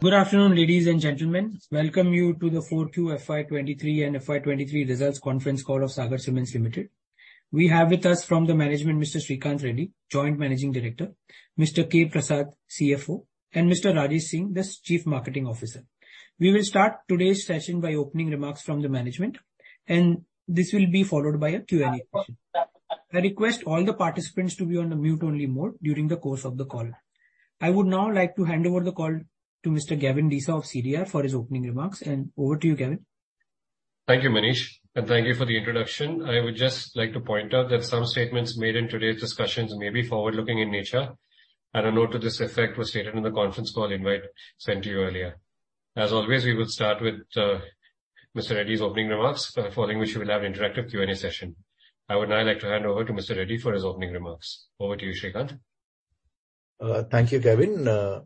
Good afternoon, ladies and gentlemen. Welcome you to the 4Q FY23 and FY23 Results Conference Call of Sagar Cements Limited. We have with us from the management, Mr. Sreekanth Reddy, Joint Managing Director, Mr. K. Prasad, CFO, and Mr. Rajesh Singh, the Chief Marketing Officer. We will start today's session by opening remarks from the management. This will be followed by a Q&A session. I request all the participants to be on a mute only mode during the course of the call. I would now like to hand over the call to Mr. Gavin Desa of CDR for his opening remarks. Over to you, Gavin. Thank you, Manish, and thank you for the introduction. I would just like to point out that some statements made in today's discussions may be forward-looking in nature, and a note to this effect was stated in the conference call invite sent to you earlier. As always, we will start with Mr. Reddy's opening remarks, following which we will have an interactive Q&A session. I would now like to hand over to Mr. Reddy for his opening remarks. Over to you, Sreekanth. Thank you, Gavin.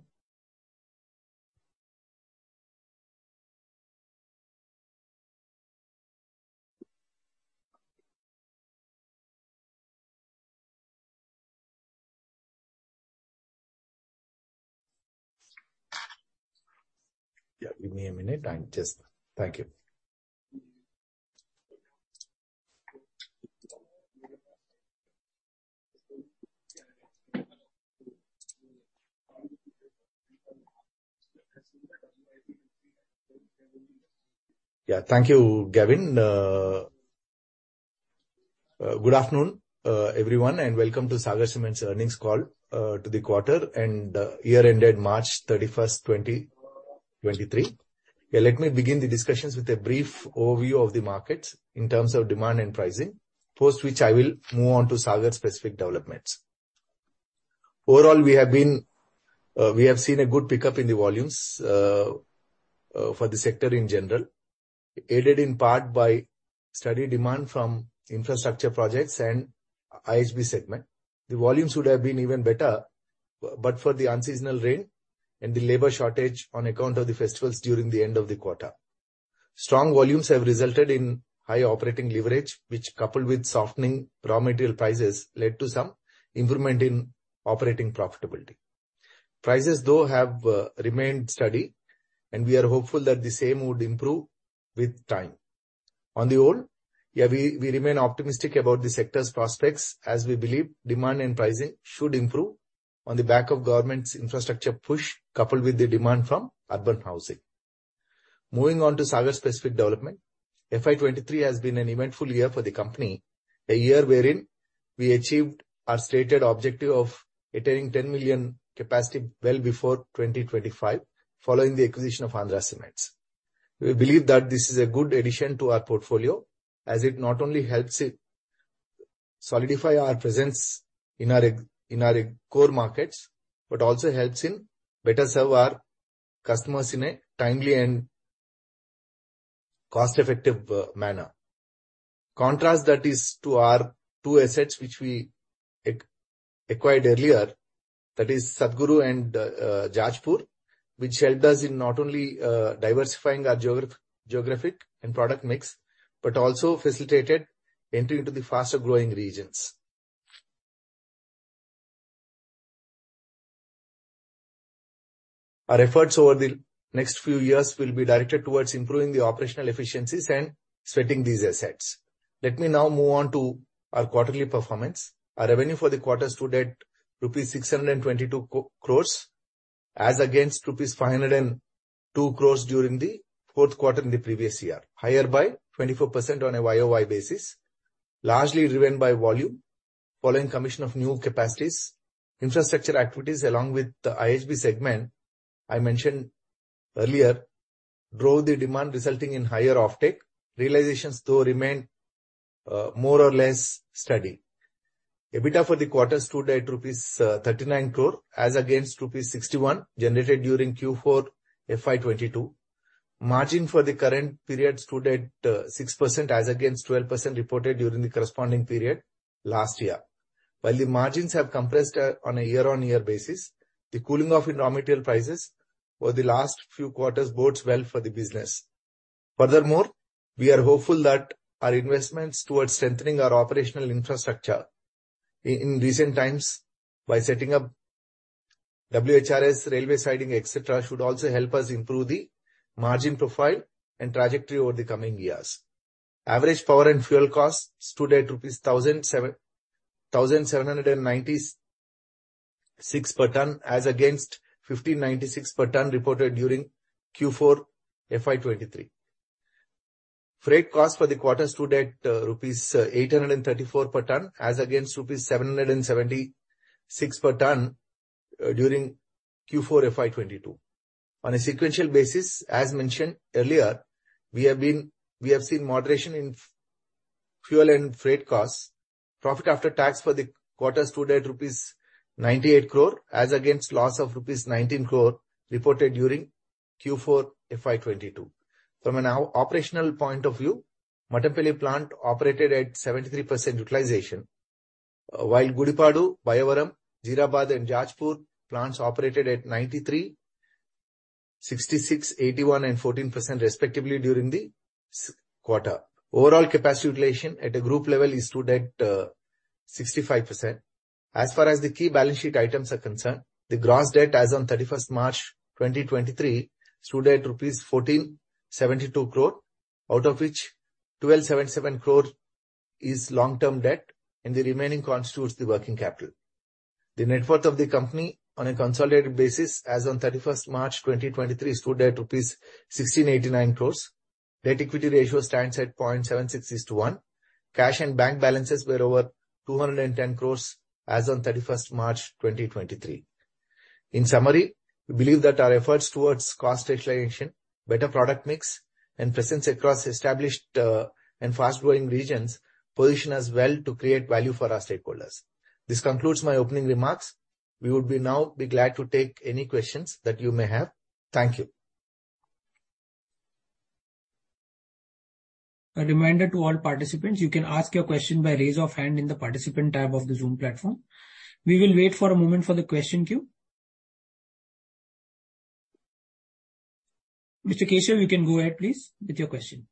Give me a minute. Thank you. Thank you, Gavin. Good afternoon, everyone, and welcome to Sagar Cements' earnings call, to the quarter and year ended March 31, 2023. Let me begin the discussions with a brief overview of the markets in terms of demand and pricing, post which I will move on to Sagar specific developments. Overall, we have been, we have seen a good pickup in the volumes, for the sector in general, aided in part by steady demand from infrastructure projects and IHB segment. The volumes would have been even better, but for the unseasonal rain and the labor shortage on account of the festivals during the end of the quarter. Strong volumes have resulted in high operating leverage, which coupled with softening raw material prices, led to some improvement in operating profitability. Prices, though, have remained steady, and we are hopeful that the same would improve with time. On the whole, yeah, we remain optimistic about the sector's prospects, as we believe demand and pricing should improve on the back of government's infrastructure push, coupled with the demand from urban housing. Moving on to Sagar specific development. FY 2023 has been an eventful year for the company. A year wherein we achieved our stated objective of attaining 10 million capacity well before 2025, following the acquisition of Andhra Cements. We believe that this is a good addition to our portfolio, as it not only helps it solidify our presence in our core markets, but also helps in better serve our customers in a timely and cost-effective manner. Contrast that is to our two assets which we acquired earlier. That is Sagar Cements and Jajpur, which helped us in not only diversifying our geographic and product mix, but also facilitated entry into the faster-growing regions. Our efforts over the next few years will be directed towards improving the operational efficiencies and sweating these assets. Let me now move on to our quarterly performance. Our revenue for the quarter stood at rupees 622 crores, as against rupees 502 crores during the fourth quarter in the previous year, higher by 24% on a YOY basis, largely driven by volume following commission of new capacities. Infrastructure activities, along with the IHB segment I mentioned earlier, drove the demand resulting in higher offtake. Realizations though remained more or less steady. EBITDA for the quarter stood at rupees 39 crore, as against rupees 61 generated during Q4 FY22. Margin for the current period stood at 6% as against 12% reported during the corresponding period last year. While the margins have compressed on a year-on-year basis, the cooling off in raw material prices over the last few quarters bodes well for the business. Furthermore, we are hopeful that our investments towards strengthening our operational infrastructure in recent times by setting up WHRS railway siding, et cetera, should also help us improve the margin profile and trajectory over the coming years. Average power and fuel costs stood at 1,796 per ton, as against 1,596 per ton reported during Q4 FY 2023. Freight costs for the quarter stood at rupees 834 per ton as against rupees 776 per ton during Q4 FY 2022. On a sequential basis, as mentioned earlier, we have seen moderation in fuel and freight costs. Profit after tax for the quarter stood at rupees 98 crore, as against loss of rupees 19 crore reported during Q4 FY 2022. From an operational point of view, Mattampally plant operated at 73% utilization, while Gudipadu, Bayyavaram, Jeerabad, and Jajpur plants operated at 93%, 66%, 81%, and 14% respectively during the quarter. Overall capacity utilization at a group level is stood at 65%. As far as the key balance sheet items are concerned, the gross debt as on 31st March 2023 stood at rupees 1,472 crore, out of which 1,277 crore is long-term debt, and the remaining constitutes the working capital. The net worth of the company on a consolidated basis as on 31st March 2023 stood at rupees 1,689 crores. Net equity ratio stands at 0.76:1. Cash and bank balances were over 210 crores as on 31st March 2023. In summary, we believe that our efforts towards cost stabilization, better product mix, and presence across established, and fast-growing regions position us well to create value for our stakeholders. This concludes my opening remarks. We would now be glad to take any questions that you may have. Thank you. A reminder to all participants, you can ask your question by raise of hand in the participant tab of the Zoom platform. We will wait for a moment for the question queue. Mr. Keshav, you can go ahead please with your question.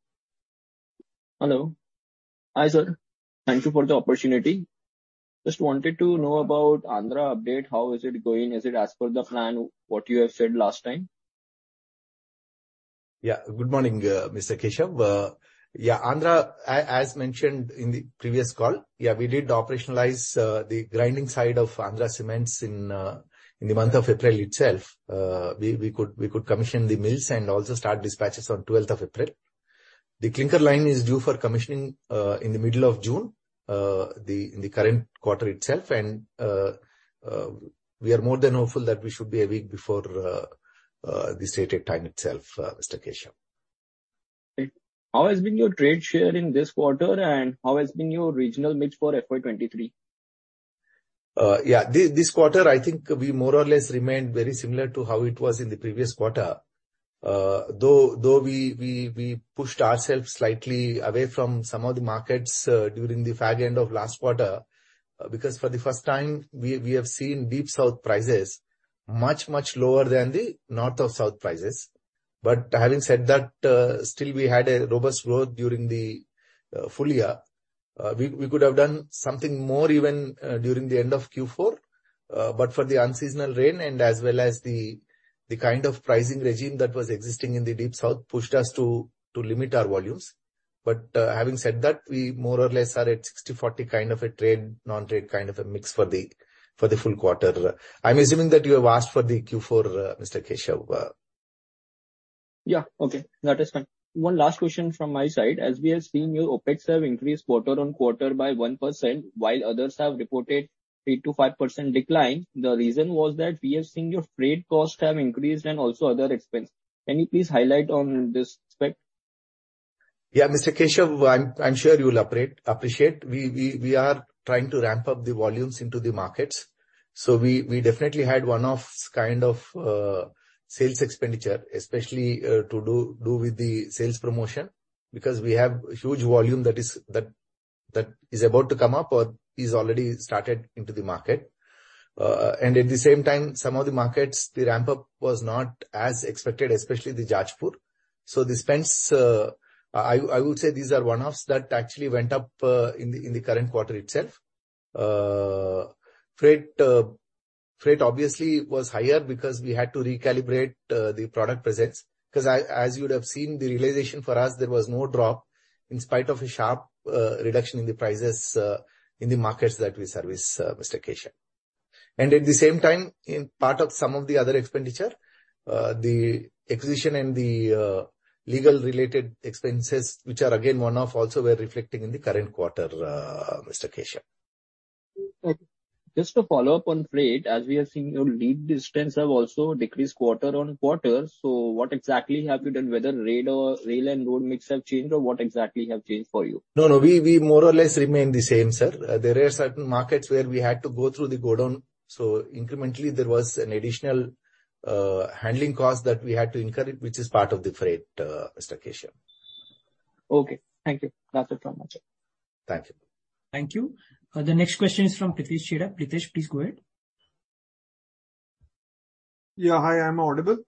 Hello. Hi sir. Thank you for the opportunity. Just wanted to know about Andhra update. How is it going? Is it as per the plan what you have said last time? Good morning, Mr. Keshav. Andhra, as mentioned in the previous call, we did operationalize the grinding side of Andhra Cements in the month of April itself. We could commission the mills and also start dispatches on 12th of April. The clinker line is due for commissioning in the middle of June, in the current quarter itself and we are more than hopeful that we should be a week before the stated time itself, Mr. Keshav. How has been your trade share in this quarter, and how has been your regional mix for FY 23? Yeah. This quarter I think we more or less remained very similar to how it was in the previous quarter. Though we pushed ourselves slightly away from some of the markets during the fag end of last quarter, because for the first time we have seen Deep South prices much lower than the North or South prices. Having said that, still we had a robust growth during the full year. We could have done something more even during the end of Q4, but for the unseasonal rain and as well as the kind of pricing regime that was existing in the Deep South pushed us to limit our volumes. Having said that, we more or less are at 60/40 kind of a trade/non-trade kind of a mix for the, for the full quarter. I'm assuming that you have asked for the Q4, Mr. Keshav. Yeah. Okay. That is fine. One last question from my side. As we have seen your OpEx have increased quarter-on-quarter by 1% while others have reported 8%-5% decline. The reason was that we are seeing your freight costs have increased and also other expense. Can you please highlight on this aspect? Mr. Keshav, I'm sure you'll appreciate, we are trying to ramp up the volumes into the markets, we definitely had one-offs kind of sales expenditure, especially to do with the sales promotion, because we have huge volume that is about to come up or is already started into the market. At the same time, some of the markets, the ramp-up was not as expected, especially the Jajpur. The spends, I would say these are one-offs that actually went up in the current quarter itself. freight obviously was higher because we had to recalibrate the product presence, as you would have seen the realization for us, there was no drop in spite of a sharp reduction in the prices in the markets that we service, Mr. Keshav. At the same time, in part of some of the other expenditure, the acquisition and the legal related expenses, which are again one-off, also were reflecting in the current quarter, Mr. Keshav. Okay. Just to follow up on freight, as we are seeing your lead distance have also decreased quarter-on-quarter. What exactly have you done? Whether rail or, rail and road mix have changed, or what exactly have changed for you? No, no. We more or less remain the same, sir. There are certain markets where we had to go through the godown, so incrementally there was an additional handling cost that we had to incur, which is part of the freight, Mr. Keshav. Okay. Thank you. That's it from my side. Thank you. Thank you. The next question is from Pritesh Chheda. Pritesh, please go ahead. Yeah. Hi, am I audible?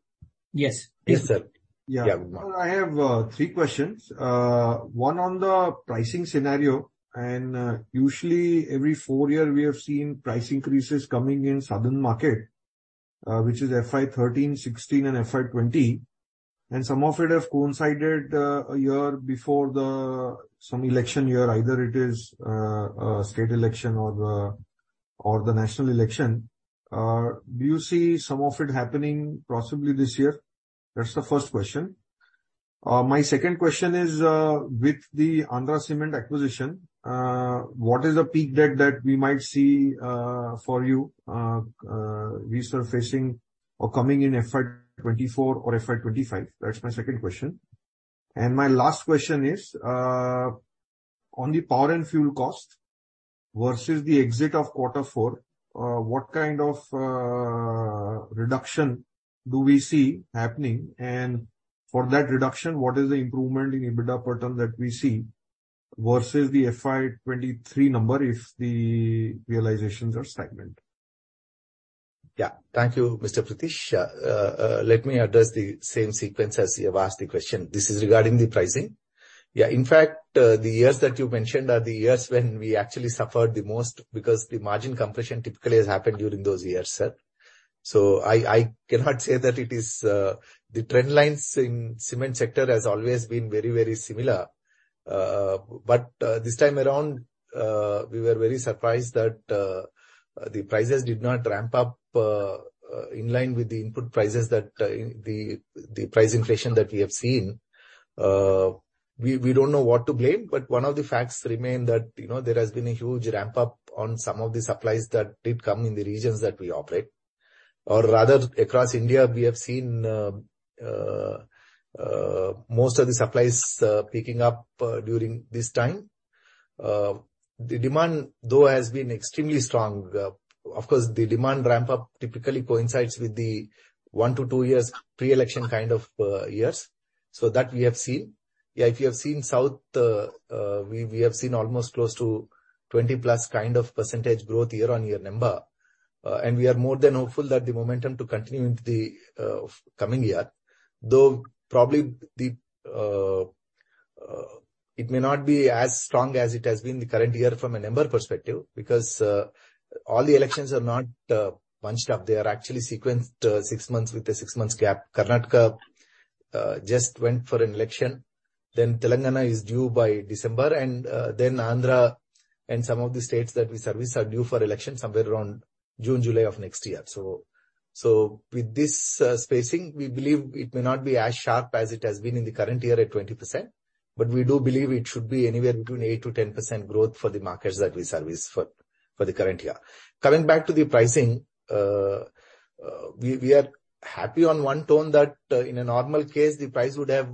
Yes. Please go ahead. Yes, sir. Yeah. I have 3 questions. One on the pricing scenario. Usually every 4 year we have seen price increases coming in southern market, which is FY 13, 16, and FY 20, and some of it have coincided a year before the some election year, either it is a state election or or the national election. Do you see some of it happening possibly this year? That's the first question. My second question is, with the Andhra Cements acquisition, what is the peak debt that we might see for you resurfacing or coming in FY 24 or FY 25? That's my second question. My last question is on the power and fuel cost versus the exit of quarter four, what kind of reduction do we see happening? For that reduction, what is the improvement in EBITDA per ton that we see versus the FY 23 number if the realizations are segment? Yeah. Thank you, Mr. Pritesh. Let me address the same sequence as you have asked the question. This is regarding the pricing. Yeah, in fact, the years that you mentioned are the years when we actually suffered the most because the margin compression typically has happened during those years, sir. I cannot say that it is the trend lines in cement sector has always been very, very similar. But this time around, we were very surprised that the prices did not ramp up in line with the input prices that the price inflation that we have seen. We don't know what to blame, but one of the facts remain that, you know, there has been a huge ramp up on some of the supplies that did come in the regions that we operate. Rather, across India, we have seen most of the supplies picking up during this time. The demand though has been extremely strong. Of course, the demand ramp up typically coincides with the 1-2 years pre-election kind of years. That we have seen. Yeah, if you have seen south, we have seen almost close to 20+% growth year-on-year number. We are more than hopeful that the momentum to continue into the coming year. Though probably it may not be as strong as it has been the current year from a number perspective because all the elections are not bunched up. They are actually sequenced, six months with a six months gap. Karnataka just went for an election. Telangana is due by December, and Andhra and some of the states that we service are due for election somewhere around June, July of next year. With this spacing, we believe it may not be as sharp as it has been in the current year at 20%, but we do believe it should be anywhere between 8%-10% growth for the markets that we service for the current year. Coming back to the pricing, we are happy on one tone that in a normal case, the price would have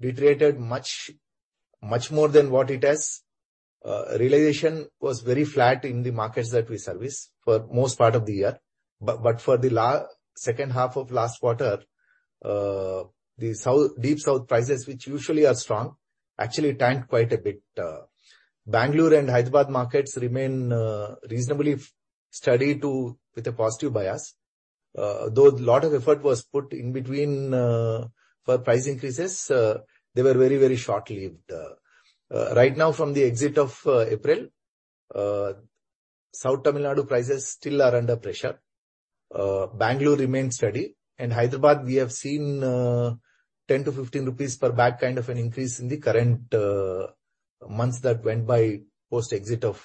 deteriorated much, much more than what it has. Realization was very flat in the markets that we service for most part of the year. For the second half of last quarter, the south, deep south prices, which usually are strong, actually tanked quite a bit. Bangalore and Hyderabad markets remain reasonably steady to with a positive bias. Though a lot of effort was put in between for price increases, they were very, very short-lived. Right now from the exit of April, South Tamil Nadu prices still are under pressure. Bangalore remains steady. In Hyderabad we have seen 10-15 rupees per bag kind of an increase in the current months that went by post-exit of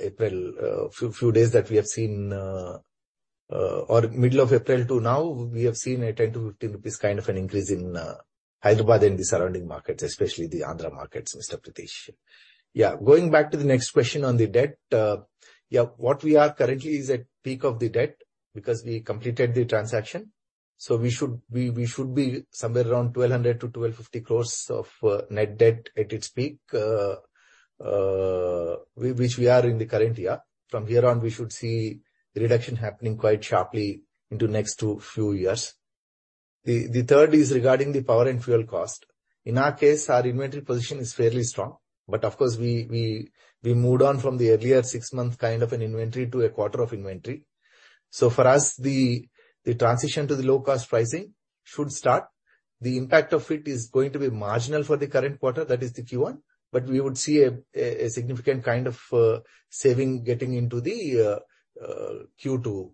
April. Few days that we have seen, or middle of April to now, we have seen an 10-15 rupees kind of an increase in Hyderabad and the surrounding markets, especially the Andhra markets, Mr. Pritesh. Going back to the next question on the debt. What we are currently is at peak of the debt because we completed the transaction. We should be somewhere around 1,200-1,250 crores of net debt at its peak, which we are in the current year. From here on, we should see reduction happening quite sharply into next two few years. The third is regarding the power and fuel cost. In our case, our inventory position is fairly strong, but of course, we moved on from the earlier 6 month kind of an inventory to a quarter of inventory. For us, the transition to the low-cost pricing should start. The impact of it is going to be marginal for the current quarter, that is the Q1, but we would see a significant kind of saving getting into the Q2.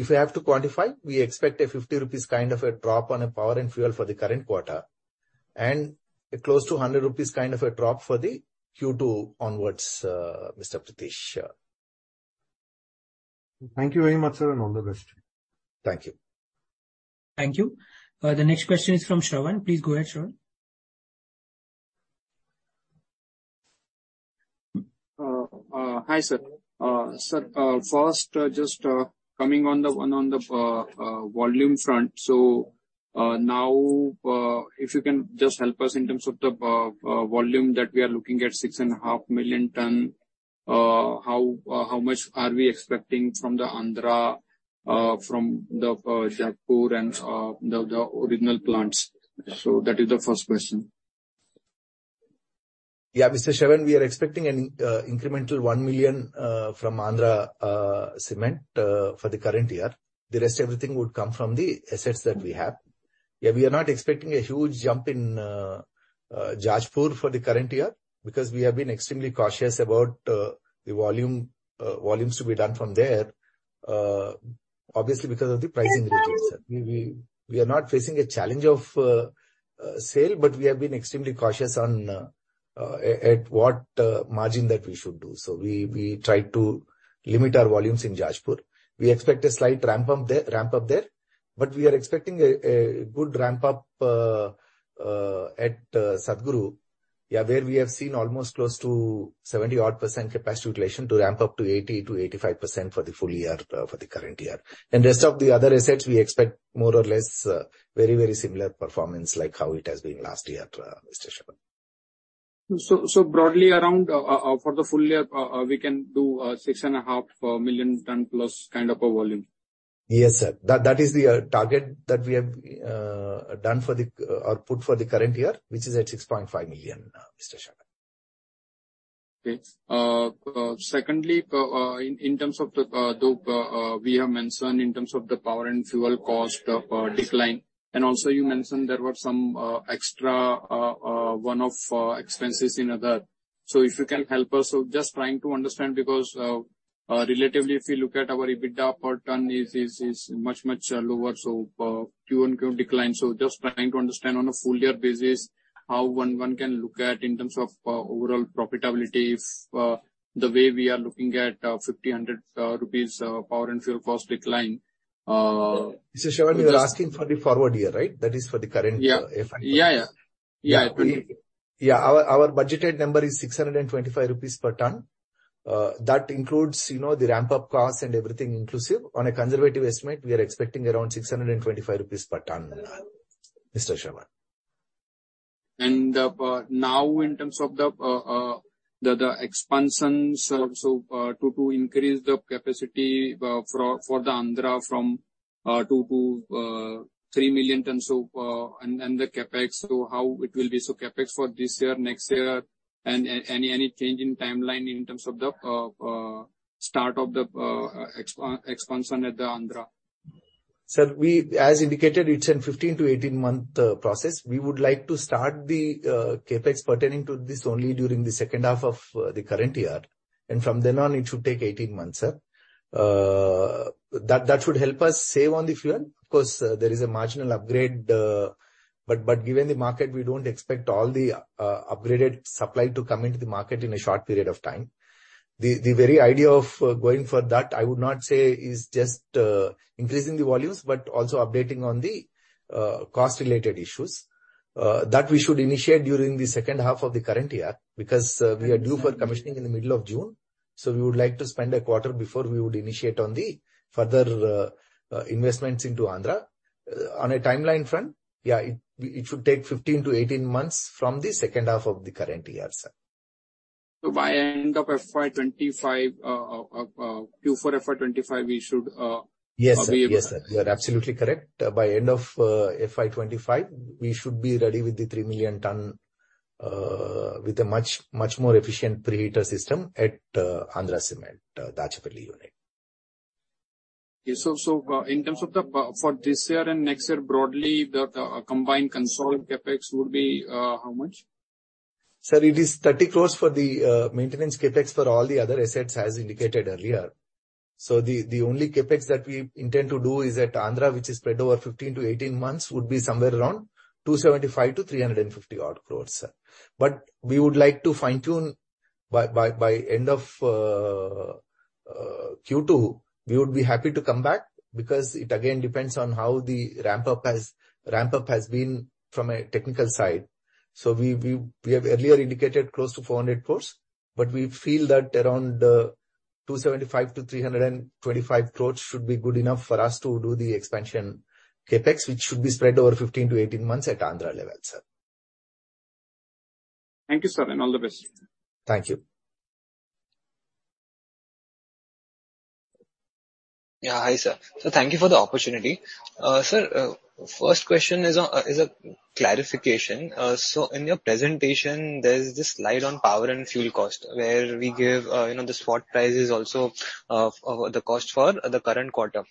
If we have to quantify, we expect a 50 rupees kind of a drop on a power and fuel for the current quarter and a close to 100 rupees kind of a drop for the Q2 onwards, Mr. Pritesh. Thank you very much, sir, and all the best. Thank you. Thank you. The next question is from Shravan. Please go ahead, Shravan. Hi, sir. Sir, first, just coming on the volume front. Now, if you can just help us in terms of the volume that we are looking at, 6.5 million ton. How much are we expecting from the Andhra, from the Jeerabad and the original plants? That is the first question. Yeah. Mr. Shravan, we are expecting an incremental 1 million from Andhra Cements for the current year. The rest everything would come from the assets that we have. Yeah, we are not expecting a huge jump in Jeerabad for the current year because we have been extremely cautious about the volumes to be done from there. Obviously because of the pricing reasons. We are not facing a challenge of sale, but we have been extremely cautious on at what margin that we should do. We try to limit our volumes in Jeerabad. We expect a slight ramp up there, but we are expecting a good ramp up at Satguru Cement. Where we have seen almost close to 70 odd % capacity utilization to ramp up to 80-85% for the full year for the current year. Rest of the other assets we expect more or less very, very similar performance like how it has been last year, Mr. Shravan. Broadly around for the full year, we can do 6.5 million ton plus kind of a volume? Yes, sir. That is the target that we have done for the or put for the current year, which is at 6.5 million, Mr. Shravan. Okay. Secondly, in terms of the we have mentioned in terms of the power and fuel cost of decline. Also you mentioned there were some extra one-off expenses in other... if you can help us. Just trying to understand because relatively, if you look at our EBITDA per ton is much lower. Q1 decline. Just trying to understand on a full year basis how one can look at in terms of overall profitability if the way we are looking at 5,000 rupees power and fuel cost decline. Mr. Shravan, you are asking for the forward year, right? That is for the current-. Yeah. -FY. Yeah, yeah. Yeah. Yeah. Our budgeted number is 625 rupees per ton. That includes, you know, the ramp-up costs and everything inclusive. On a conservative estimate, we are expecting around 625 rupees per ton, Mr. Shravan. Now in terms of the expansions, to increase the capacity for the Andhra from 2 million-3 million tons, and the CapEx. How it will be, CapEx for this year, next year and any change in timeline in terms of the start of the expansion at the Andhra? Sir, As indicated, it's a 15-18 month process. We would like to start the CapEx pertaining to this only during the second half of the current year. From then on, it should take 18 months, sir. That should help us save on the fuel. Of course, there is a marginal upgrade, but given the market, we don't expect all the upgraded supply to come into the market in a short period of time. The very idea of going for that, I would not say is just increasing the volumes, but also updating on the cost-related issues. That we should initiate during the second half of the current year because we are due for commissioning in the middle of June, so we would like to spend a quarter before we would initiate on the further investments into Andhra. On a timeline front, yeah, it should take 15 to 18 months from the second half of the current year, sir. By end of FY 25, Q4 FY 25, we should. Yes, sir. Yes, sir. You are absolutely correct. By end of FY 2025, we should be ready with the 3 million ton, with a much, much more efficient preheater system at Andhra Cement, Dachepalli unit. Okay. In terms of the for this year and next year, broadly, the combined consolidated CapEx would be how much? Sir, it is 30 crores for the maintenance CapEx for all the other assets, as indicated earlier. The only CapEx that we intend to do is at Andhra, which is spread over 15-18 months, would be somewhere around 275 crores-350 odd crores, sir. We would like to fine-tune by end of Q2, we would be happy to come back because it again depends on how the ramp up has been from a technical side. We have earlier indicated close to 400 crores, but we feel that around 275 crores-325 crores should be good enough for us to do the expansion CapEx, which should be spread over 15-18 months at Andhra level, sir. Thank you, sir, and all the best. Thank you. Yeah. Hi, sir. Thank you for the opportunity. Sir, first question is a clarification. In your presentation, there is this slide on power and fuel cost where we give, you know, the spot prices also of the cost for the current quarter.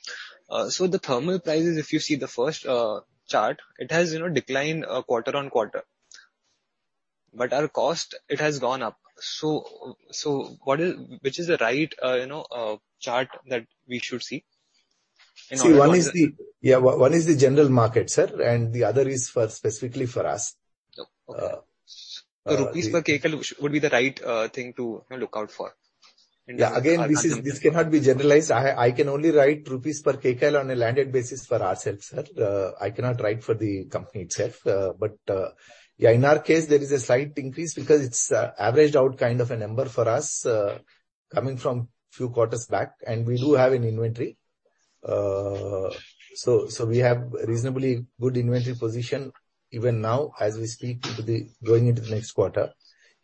The thermal prices, if you see the first chart, it has, you know, declined quarter-on-quarter. Our cost, it has gone up. What is... Which is the right, you know, chart that we should see. Yeah. One is the general market, sir, and the other is for specifically for us. Okay. Rupees per kcal would be the right thing to look out for in this. Again, this is, this cannot be generalized. I can only write rupees per kcal on a landed basis for ourselves, sir. I cannot write for the company itself. In our case, there is a slight increase because it's averaged out kind of a number for us, coming from few quarters back, and we do have an inventory. We have reasonably good inventory position even now as we speak into the, going into the next quarter.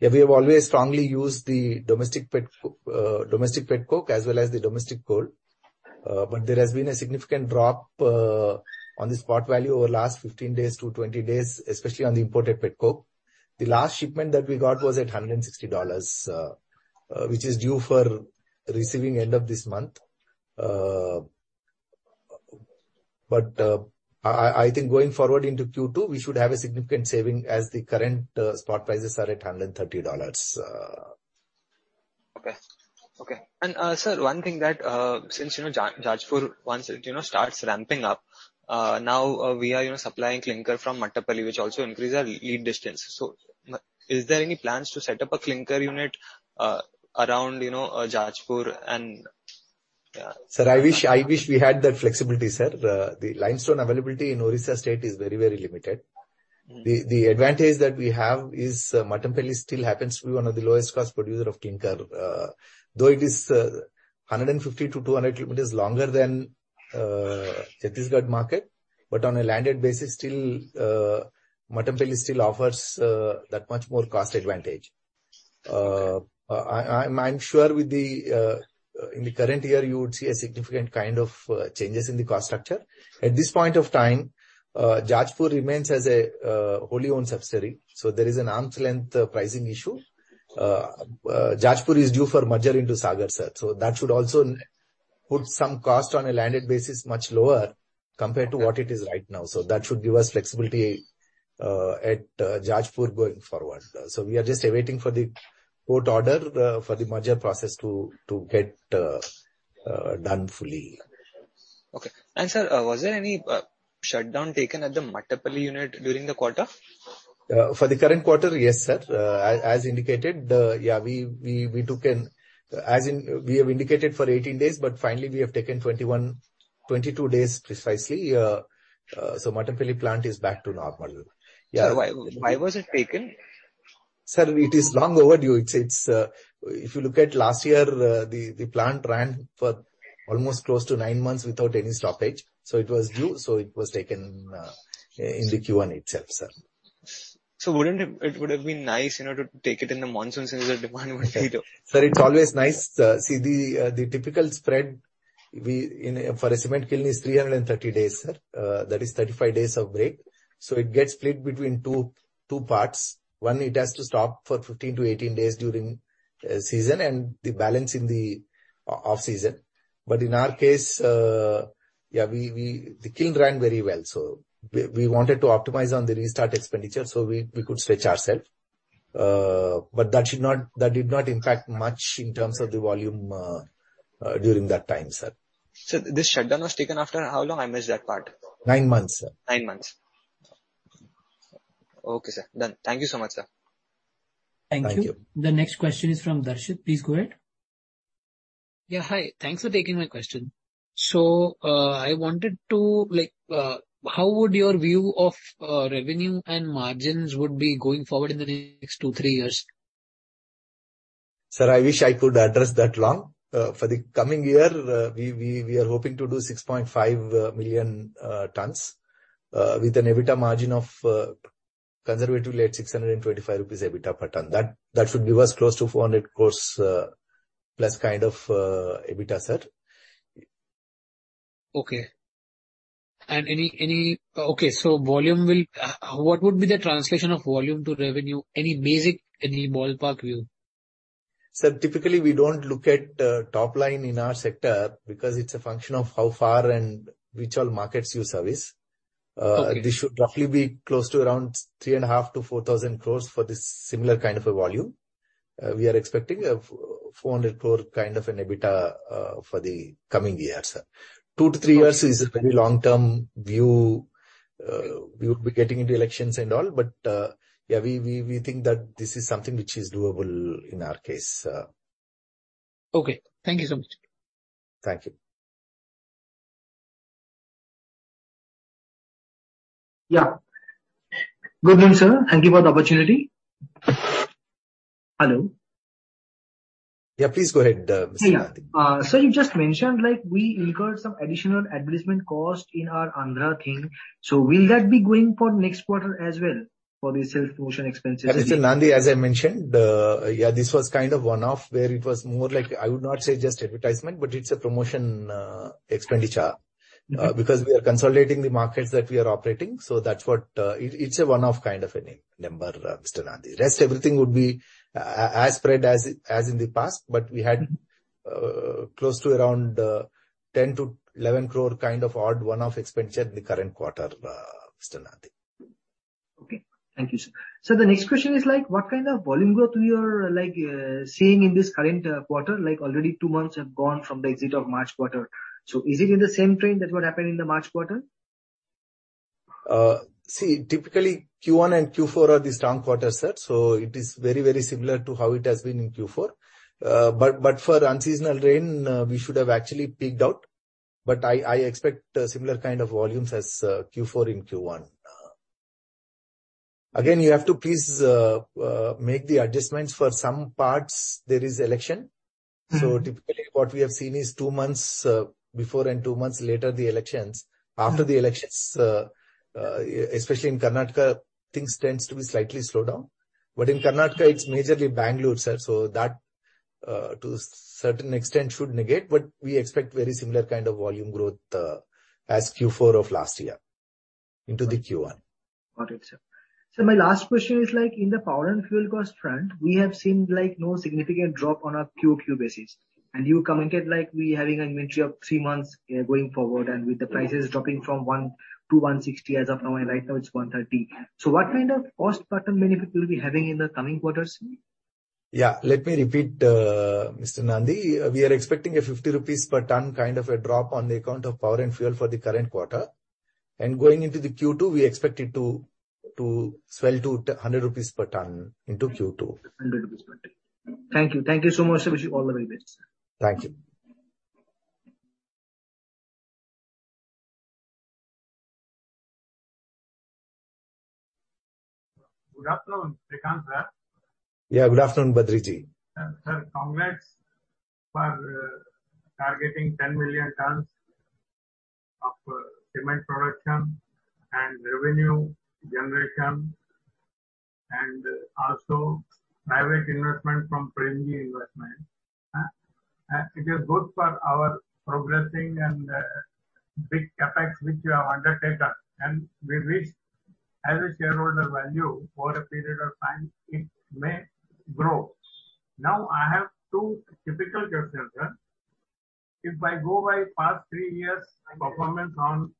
We have always strongly used the domestic petcoke as well as the domestic coal. There has been a significant drop on the spot value over last 15 days to 20 days, especially on the imported petcoke. The last shipment that we got was at $160, which is due for receiving end of this month. I think going forward into Q2, we should have a significant saving as the current spot prices are at $130. Okay. Okay. Sir, one thing that, since, you know, Jajpur, once it, you know, starts ramping up, now, we are, you know, supplying clinker from Mattampally, which also increase our lead distance. Is there any plans to set up a clinker unit around, you know, Jajpur and, yeah? Sir, I wish, I wish we had that flexibility, sir. The limestone availability in Odisha State is very, very limited. The advantage that we have is Mattampalli still happens to be one of the lowest cost producer of clinker. Though it is 150-200 kilometers longer than Chhattisgarh market. On a landed basis, still, Mattampalli still offers that much more cost advantage. I'm sure with the in the current year you would see a significant kind of changes in the cost structure. At this point of time, Jajpur remains as a wholly-owned subsidiary, so there is an arm's length pricing issue. Jajpur is due for merger into Sagar, sir, so that should also put some cost on a landed basis much lower compared to what it is right now. That should give us flexibility at Jajpur going forward. We are just awaiting for the court order, for the merger process to get done fully. Okay. Sir, was there any shutdown taken at the Mattampally unit during the quarter? For the current quarter, yes, sir. As indicated, we took an, as in we have indicated for 18 days, but finally we have taken 21, 22 days precisely. Mattampally plant is back to normal. Sir, why was it taken? Sir, it is long overdue. It's, if you look at last year, the plant ran for almost close to nine months without any stoppage. It was due, so it was taken in the Q1 itself, sir. It would have been nice, you know, to take it in the monsoons when the demand would be low. Sir, it's always nice. See the typical spread we in a, for a cement kiln is 330 days, sir. That is 35 days of break. It gets split between two parts. One, it has to stop for 15 to 18 days during season, and the balance in the off season. In our case, we, the kiln ran very well, so we wanted to optimize on the restart expenditure so we could stretch ourself. That did not impact much in terms of the volume during that time, sir. Sir, this shutdown was taken after how long? I missed that part. Nine months, sir. Nine months. Okay, sir. Done. Thank you so much, sir. Thank you. Thank you. The next question is from Darshit. Please go ahead. Yeah, hi. Thanks for taking my question. I wanted to, like, how would your view of revenue and margins would be going forward in the next two, three years? Sir, I wish I could address that long. For the coming year, we are hoping to do 6.5 million tons with an EBITDA margin of conservatively at 625 rupees EBITDA per ton. That should give us close to 400 crores plus kind of EBITDA, sir. Okay. Any, Okay, so volume. What would be the translation of volume to revenue? Any basic, any ballpark view? Sir, typically we don't look at top line in our sector because it's a function of how far and which all markets you service. Okay. This should roughly be close to around 3,500-4,000 crores for this similar kind of a volume. We are expecting a 400 crore kind of an EBITDA for the coming year, sir. 2-3 years is a very long-term view. We would be getting into elections and all, but yeah, we think that this is something which is doable in our case. Okay. Thank you so much. Thank you. Yeah. Good morning, sir. Thank you for the opportunity. Hello? Yeah, please go ahead, Mr. Nandi. Yeah. sir, you just mentioned like we incurred some additional advertisement cost in our Andhra kiln. Will that be going for next quarter as well for the sales promotion expenses? Mr. Nandi, as I mentioned, yeah, this was kind of one-off where it was more like, I would not say just advertisement, but it's a promotion, expenditure. Okay. Because we are consolidating the markets that we are operating. That's what. It's a one-off kind of a number, Mr. Nandi. Rest everything would be as spread as in the past, but we had close to around 10 crore-11 crore kind of odd one-off expenditure in the current quarter, Mr. Nandi. Okay. Thank you, sir. The next question is like what kind of volume growth you are like seeing in this current quarter? Like, already two months have gone from the exit of March quarter. Is it in the same trend as what happened in the March quarter? See, typically Q1 and Q4 are the strong quarters, sir. It is very, very similar to how it has been in Q4. For unseasonal rain, we should have actually peaked out. I expect a similar kind of volumes as, Q4 in Q1. Again, you have to please, make the adjustments for some parts there is election. Typically what we have seen is two months before and two months later, the elections. After the elections, especially in Karnataka, things tends to be slightly slowed down. But in Karnataka it's majorly Bangalore, sir, so that to a certain extent should negate, but we expect very similar kind of volume growth as Q4 of last year into the Q1. My last question is like in the power and fuel cost front, we have seen like no significant drop on a QOQ basis. You commented like we having an inventory of 3 months going forward and with the prices dropping from $1-$160 as of now, and right now it's $130. What kind of cost pattern benefit will we be having in the coming quarters, sir? Yeah. Let me repeat, Mr. Nandi. We are expecting an 50 rupees per ton kind of a drop on the account of power and fuel for the current quarter. Going into the Q2, we expect it to swell to 100 rupees per ton into Q2. 100 rupees per ton. Thank you. Thank you so much, sir. Wish you all the very best. Thank you. Good afternoon, Sreekanth sir. Yeah, good afternoon, Badri. Sir, congrats for targeting 10 million tons. Cement production and revenue generation, and also private investment from Premji Invest. It is good for our progressing and big CapEx which you have undertaken. We wish as a shareholder value for a period of time it may grow. I have two typical questions, sir. If I go by past 3 years performance on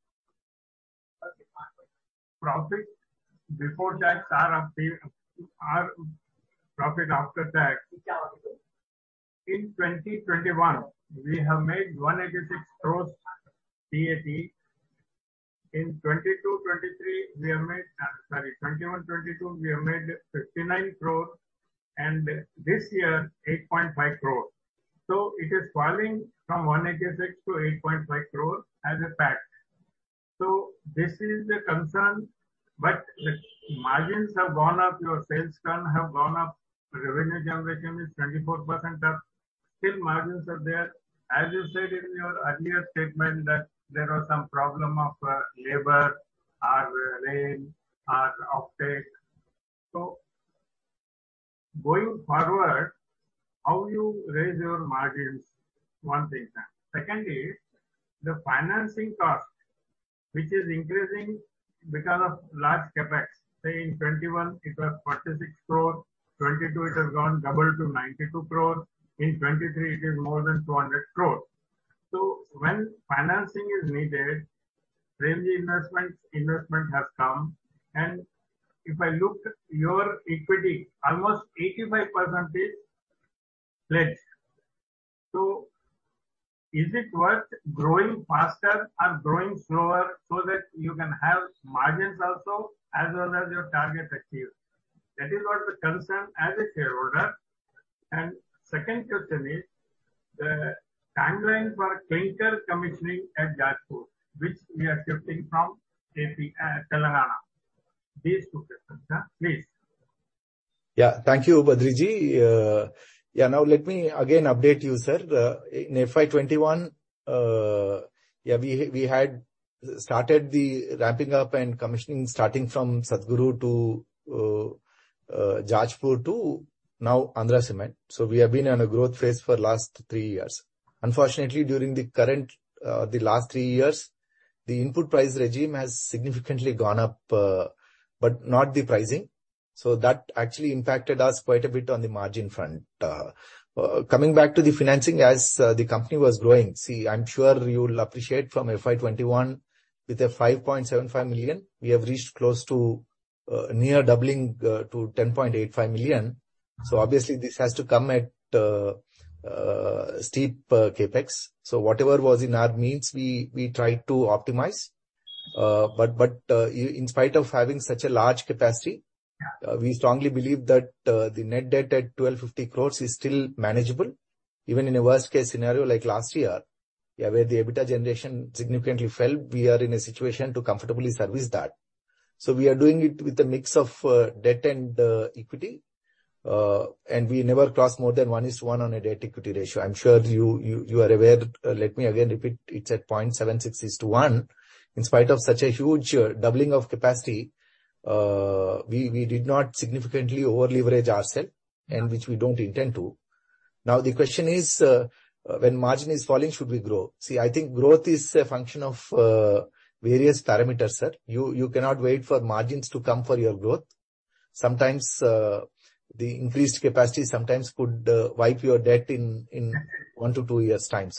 profit before tax or profit after tax. In 2021 we have made 186 crore PAT. In 2021, 2022 we have made 59 crore and this year 8.5 crore. It is falling from 186-8.5 crore as a PAT. This is the concern. Margins have gone up, your sales ton have gone up, revenue generation is 24% up, still margins are there. As you said in your earlier statement that there was some problem of labor or rain or offtake. Going forward, how you raise your margins? One thing, sir. Secondly, the financing cost, which is increasing because of large CapEx. Say, in 2021 it was 46 crore, 2022 it has gone double to 92 crore. In 2023 it is more than 200 crore. When financing is needed, Premji Invest investment has come. If I look your equity, almost 85% is pledged. Is it worth growing faster or growing slower so that you can have margins also as well as your target achieved? That is what the concern as a shareholder. Second question is the timeline for clinker commissioning at Jajpur, which we are shifting from AP, Telangana. These two questions, sir. Please. Yeah. Thank you, Badriji. Yeah, now let me again update you, sir. In FY 2021, yeah, we had started the ramping up and commissioning starting from Satguru to Jajpur to now Andhra Cements. We have been on a growth phase for last three years. Unfortunately, during the current, the last three years, the input price regime has significantly gone up, but not the pricing. That actually impacted us quite a bit on the margin front. Coming back to the financing as the company was growing. See, I'm sure you'll appreciate from FY 2021 with a 5.75 million, we have reached close to near doubling to 10.85 million. Obviously this has to come at steep CapEx. Whatever was in our means, we tried to optimize. But in spite of having such a large capacity Yeah. We strongly believe that the net debt at 1,250 crore is still manageable. Even in a worst case scenario like last year, yeah, where the EBITDA generation significantly fell, we are in a situation to comfortably service that. We are doing it with a mix of debt and equity. We never cross more than 1 is to 1 on a debt equity ratio. I'm sure you are aware. Let me again repeat, it's at 0.76 is to 1. In spite of such a huge doubling of capacity, we did not significantly over-leverage ourself and which we don't intend to. Now, the question is, when margin is falling should we grow? See, I think growth is a function of various parameters, sir. You cannot wait for margins to come for your growth. Sometimes, the increased capacity sometimes could wipe your debt in 1-2 years' time.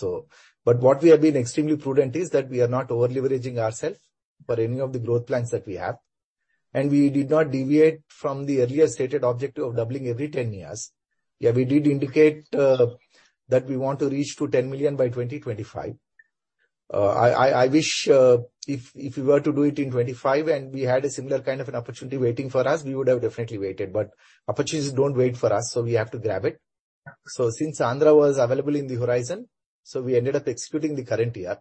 What we have been extremely prudent is that we are not over-leveraging ourself for any of the growth plans that we have. We did not deviate from the earlier stated objective of doubling every 10 years. Yeah, we did indicate that we want to reach to 10 million by 2025. I wish if we were to do it in 25 and we had a similar kind of an opportunity waiting for us, we would have definitely waited. Opportunities don't wait for us, so we have to grab it. Yeah. Since Andhra was available in the horizon, we ended up executing the current year.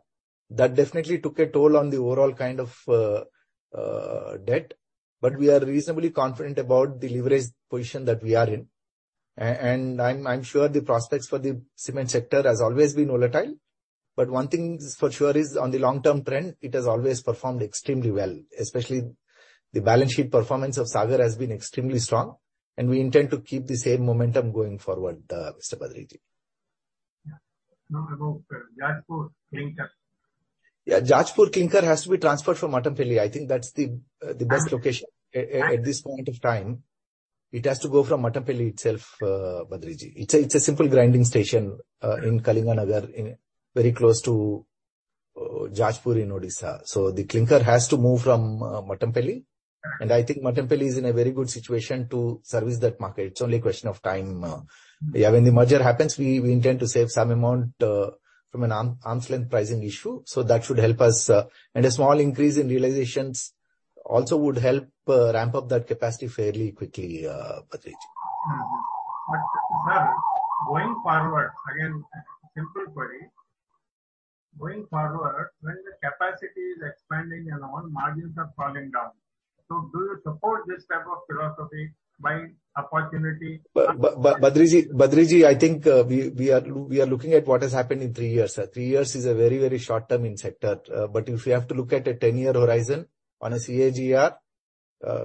That definitely took a toll on the overall kind of debt. We are reasonably confident about the leverage position that we are in. I'm sure the prospects for the cement sector has always been volatile, one thing's for sure is on the long-term trend it has always performed extremely well. Especially the balance sheet performance of Sagar has been extremely strong, and we intend to keep the same momentum going forward, Mr. Badriji. Yeah. Now about Jajpur clinker. Yeah. Jajpur clinker has to be transferred from Mattampally. I think that's the best location. And- At this point of time it has to go from Mattampalli itself, Badriji. It's a simple grinding station in Kalinga Nagar Very close to Jajpur in Odisha. The clinker has to move from Mattampalli. Yeah. I think Mattampalli is in a very good situation to service that market. It's only a question of time. When the merger happens, we intend to save some amount from an arm's length pricing issue. That should help us. A small increase in realizations also would help ramp up that capacity fairly quickly, Badriji. Sir, going forward, again, simple query. Going forward, when the capacity is expanding and our margins are falling down, do you support this type of philosophy by opportunity? Badriji, I think, we are looking at what has happened in 3 years. 3 years is a very short term in sector. If you have to look at a 10-year horizon on a CAGR,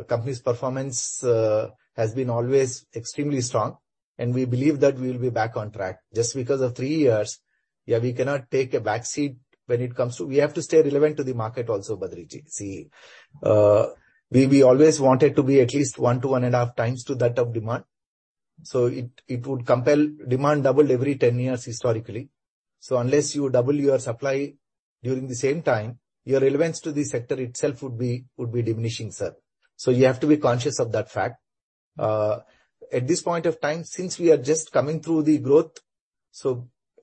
company's performance has been always extremely strong, and we believe that we will be back on track. Just because of 3 years, yeah, we cannot take a back seat when it comes to. We have to stay relevant to the market also, Badriji. See, we always wanted to be at least 1 to 1.5 times to that of demand, it would compel demand doubled every 10 years historically. Unless you double your supply during the same time, your relevance to the sector itself would be diminishing, sir. You have to be conscious of that fact. At this point of time, since we are just coming through the growth,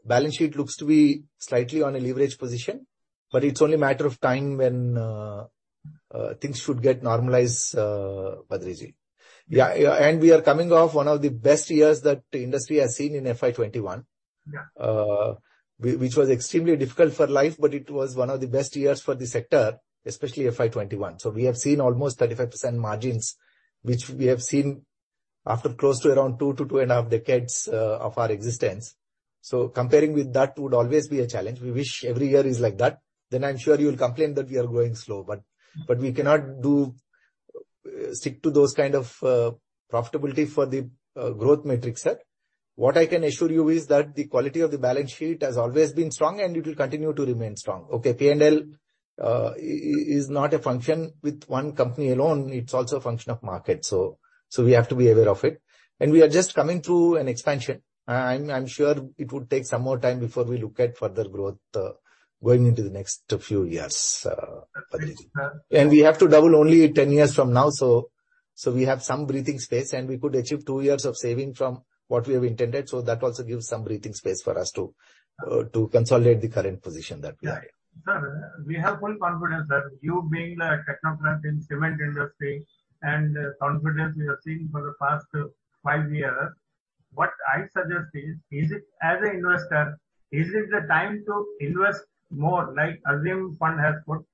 balance sheet looks to be slightly on a leverage position, but it's only a matter of time when things should get normalized, Badriji. Yeah, we are coming off one of the best years that the industry has seen in FY 21. Yeah. Which was extremely difficult for life, it was one of the best years for the sector, especially FY 21. We have seen almost 35% margins, which we have seen after close to around 2 to 2.5 decades of our existence. Comparing with that would always be a challenge. We wish every year is like that, I'm sure you'll complain that we are growing slow. We cannot do stick to those kind of profitability for the growth matrix, sir. What I can assure you is that the quality of the balance sheet has always been strong, and it will continue to remain strong. Okay, P&L is not a function with one company alone, it's also a function of market, we have to be aware of it. We are just coming through an expansion. I'm sure it would take some more time before we look at further growth, going into the next few years, Badriji. Sir- We have to double only 10 years from now, so we have some breathing space. We could achieve 2 years of saving from what we have intended. That also gives some breathing space for us to consolidate the current position that we are in. Sir, we have full confidence that you being a technocrat in cement industry and the confidence we have seen for the past 5 years. What I suggest is it as an investor, is it the time to invest more, like Azim Fund has put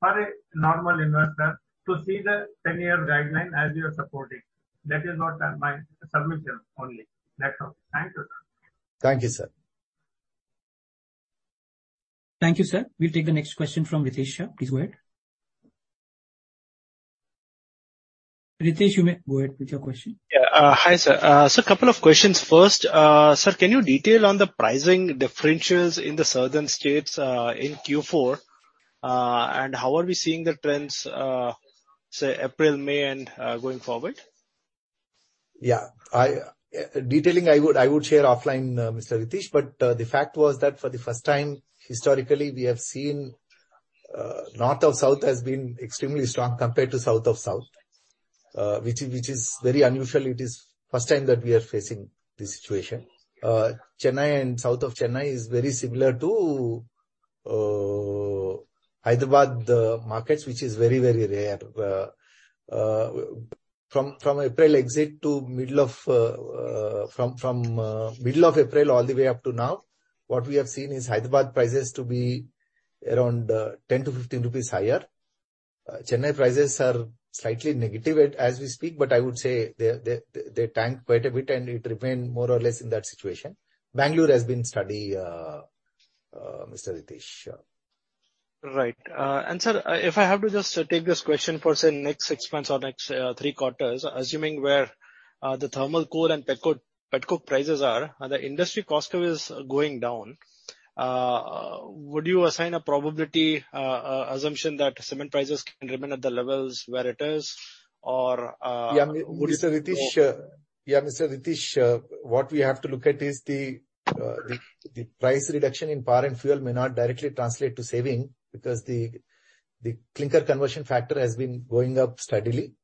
for a normal investor to see the 10-year guideline as you are supporting? That is what my submission only. That's all. Thank you, sir. Thank you, sir. Thank you, sir. We'll take the next question from Ritesh Shah. Please go ahead. Ritesh, you may go ahead with your question. Yeah. Hi, sir. Couple of questions. First, sir, can you detail on the pricing differentials in the southern states in Q4? How are we seeing the trends, say April, May, and going forward? I detailing I would, I would share offline, Mr. Ritesh, but the fact was that for the first time historically, we have seen north of south has been extremely strong compared to south of south, which is very unusual. It is first time that we are facing this situation. Chennai and south of Chennai is very similar to Hyderabad markets, which is very, very rare. From April exit to middle of April all the way up to now, what we have seen is Hyderabad prices to be around 10-15 rupees higher. Chennai prices are slightly negative at as we speak, but I would say they tanked quite a bit and it remained more or less in that situation. Bangalore has been steady, Mr. Ritesh. Right. Sir, if I have to just take this question for, say, next six months or next three quarters, assuming where the thermal coal and petcoke prices are, the industry cost curve is going down. Would you assign a probability assumption that cement prices can remain at the levels where it is or would it? Mr. Ritesh, what we have to look at is the price reduction in power and fuel may not directly translate to saving because the clinker conversion factor has been going up steadily.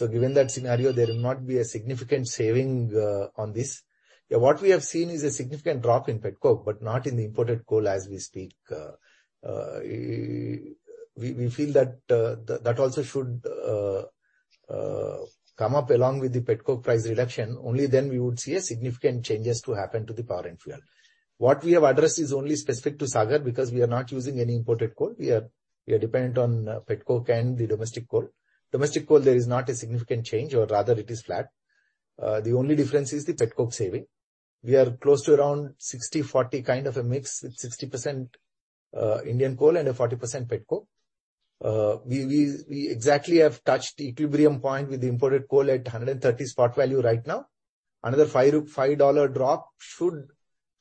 Given that scenario, there will not be a significant saving on this. What we have seen is a significant drop in petcoke, but not in the imported coal as we speak. We feel that that also should come up along with the petcoke price reduction. Only then we would see a significant changes to happen to the power and fuel. What we have addressed is only specific to Sagar because we are not using any imported coal. We are dependent on petcoke and the domestic coal. Domestic coal, there is not a significant change, or rather it is flat. The only difference is the petcoke saving. We are close to around 60/40 kind of a mix, with 60% Indian coal and a 40% petcoke. We exactly have touched equilibrium point with the imported coal at $130 spot value right now. Another $5 drop should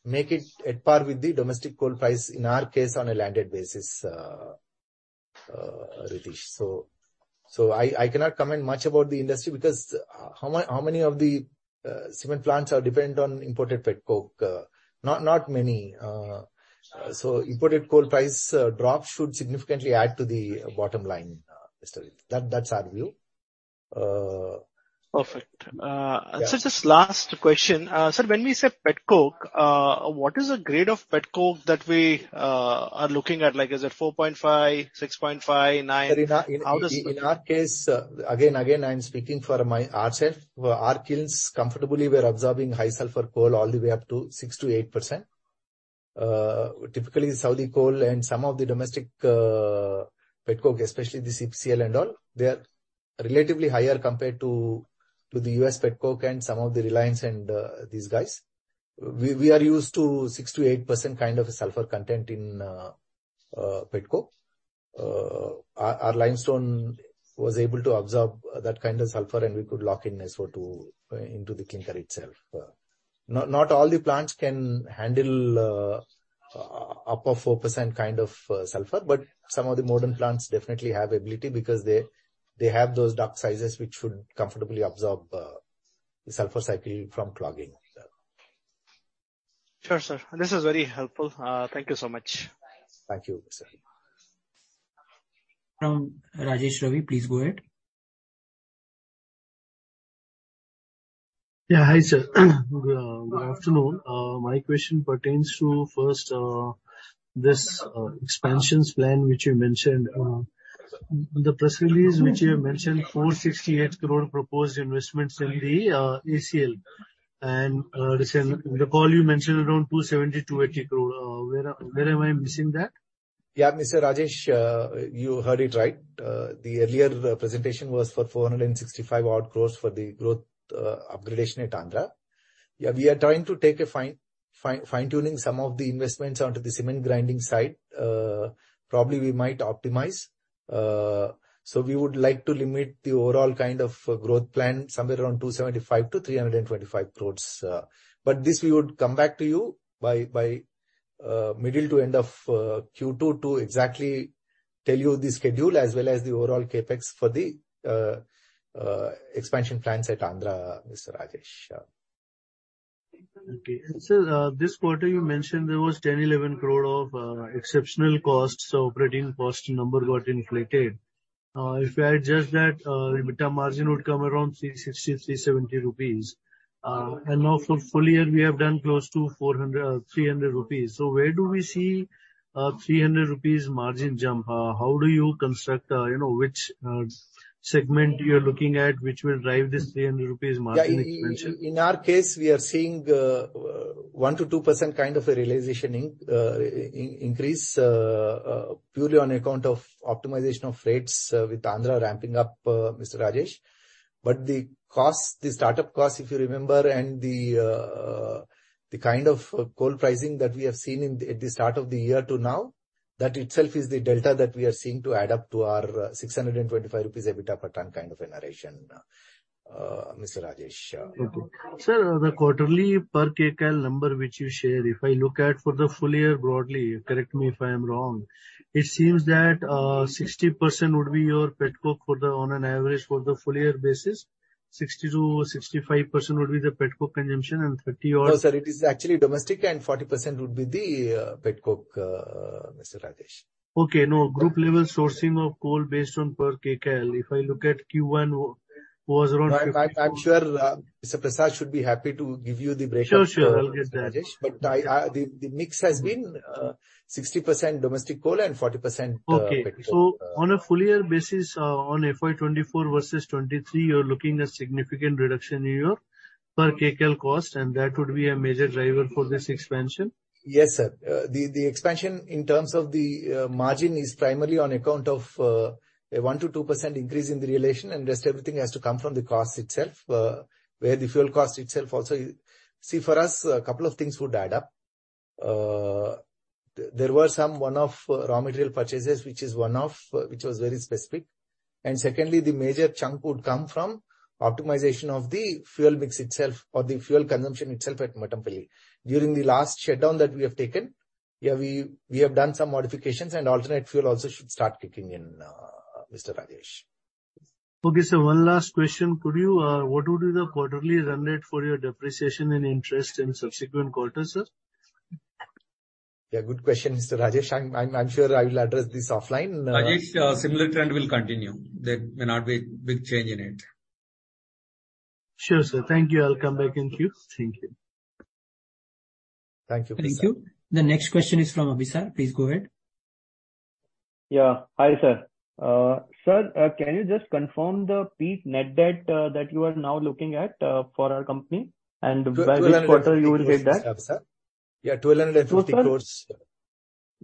make it at par with the domestic coal price, in our case, on a landed basis, Ritesh. I cannot comment much about the industry because how many of the cement plants are dependent on imported petcoke? Not many. Imported coal price drop should significantly add to the bottom line, Mr. Ritesh. That's, that's our view. Perfect. Yeah. Sir, just last question. Sir, when we say petcoke, what is the grade of petcoke that we are looking at? Like, is it 4.5, 6.5, 9? Sir, in our case, again, I'm speaking for ourself. Our kilns comfortably were absorbing high sulfur coal all the way up to 6%-8%. Typically Saudi coal and some of the domestic petcoke, especially the CPCL and all, they are relatively higher compared to the U.S. petcoke and some of the Reliance and these guys. We are used to 6%-8% kind of sulfur content in petcoke. Our limestone was able to absorb that kind of sulfur and we could lock in SO2 into the clinker itself. Not all the plants can handle up to 4% kind of sulfur, but some of the modern plants definitely have ability because they have those duct sizes which should comfortably absorb the sulfur cycle from clogging. Sure, sir. This is very helpful. Thank you so much. Thank you. From Rajesh Ravi, please go ahead. Hi, sir. Good afternoon. My question pertains to first this expansions plan which you mentioned. The press release which you mentioned, 468 crore proposed investments in the Andhra Cements Limited and the call you mentioned around 270-280 crore. Where am I missing that? Yeah, Mr. Rajesh, you heard it right. The earlier presentation was for 465 odd crores for the growth, upgradation at Andhra. Yeah, we are trying to take a fine-tuning some of the investments onto the cement grinding side. Probably we might optimize. So we would like to limit the overall kind of growth plan somewhere around 275-325 crores. But this we would come back to you by middle to end of Q2 to exactly tell you the schedule as well as the overall CapEx for the expansion plans at Andhra, Mr. Rajesh. Yeah. Okay. Sir, this quarter you mentioned there was 10-11 crore of exceptional costs, operating cost number got inflated. If I adjust that, EBITDA margin would come around 360-370 rupees. Now for full year, we have done close to 400, 300 rupees. Where do we see 300 rupees margin jump? How do you construct, you know, which segment you're looking at which will drive this 300 rupees margin expansion? Yeah. In our case, we are seeing 1%-2% kind of a realization increase purely on account of optimization of rates with Andhra ramping up, Mr. Rajesh. The cost, the startup cost, if you remember, and the kind of coal pricing that we have seen at the start of the year to now, that itself is the delta that we are seeing to add up to our 625 rupees EBITDA per ton kind of a narration, Mr. Rajesh. Okay. Sir, the quarterly per kcal number which you share, if I look at for the full year broadly, correct me if I am wrong, it seems that 60% would be your petcoke for the on an average for the full year basis, 60%-65% would be the petcoke consumption and 30 odd- No, sir. It is actually domestic and 40% would be the petcoke, Mr. Rajesh. Okay. No. Group level sourcing of coal based on per kcal. If I look at Q1 was around. No, I'm sure Mr. Prasad should be happy to give you the breakdown. Sure, sure. I'll get that. The mix has been 60% domestic coal and 40% petcoke. Okay. On a full year basis, on FY 2024 versus 2023, you're looking at significant reduction in your per kcal cost and that would be a major driver for this expansion? Yes, sir. The expansion in terms of the margin is primarily on account of a 1%-2% increase in the realization and rest everything has to come from the cost itself, where the fuel cost itself also. See, for us, a couple of things would add up. There were some one-off raw material purchases, which is one-off, which was very specific. Secondly, the major chunk would come from optimization of the fuel mix itself or the fuel consumption itself at Mattampalli. During the last shutdown that we have taken, we have done some modifications and alternate fuel also should start kicking in, Mr. Rajesh. Okay, sir. One last question. Could you... What would be the quarterly run rate for your depreciation and interest in subsequent quarters, sir? Yeah, good question, Mr. Rajesh. I'm sure I will address this offline. Rajesh, similar trend will continue. There may not be big change in it. Sure, sir. Thank you. I'll come back in queue. Thank you. Thank you. Thank you. The next question is from Abhisar. Please go ahead. Yeah. Hi, sir. Sir, can you just confirm the peak net debt that you are now looking at for our company? By which quarter you will get that? Yeah. 1,250 crores.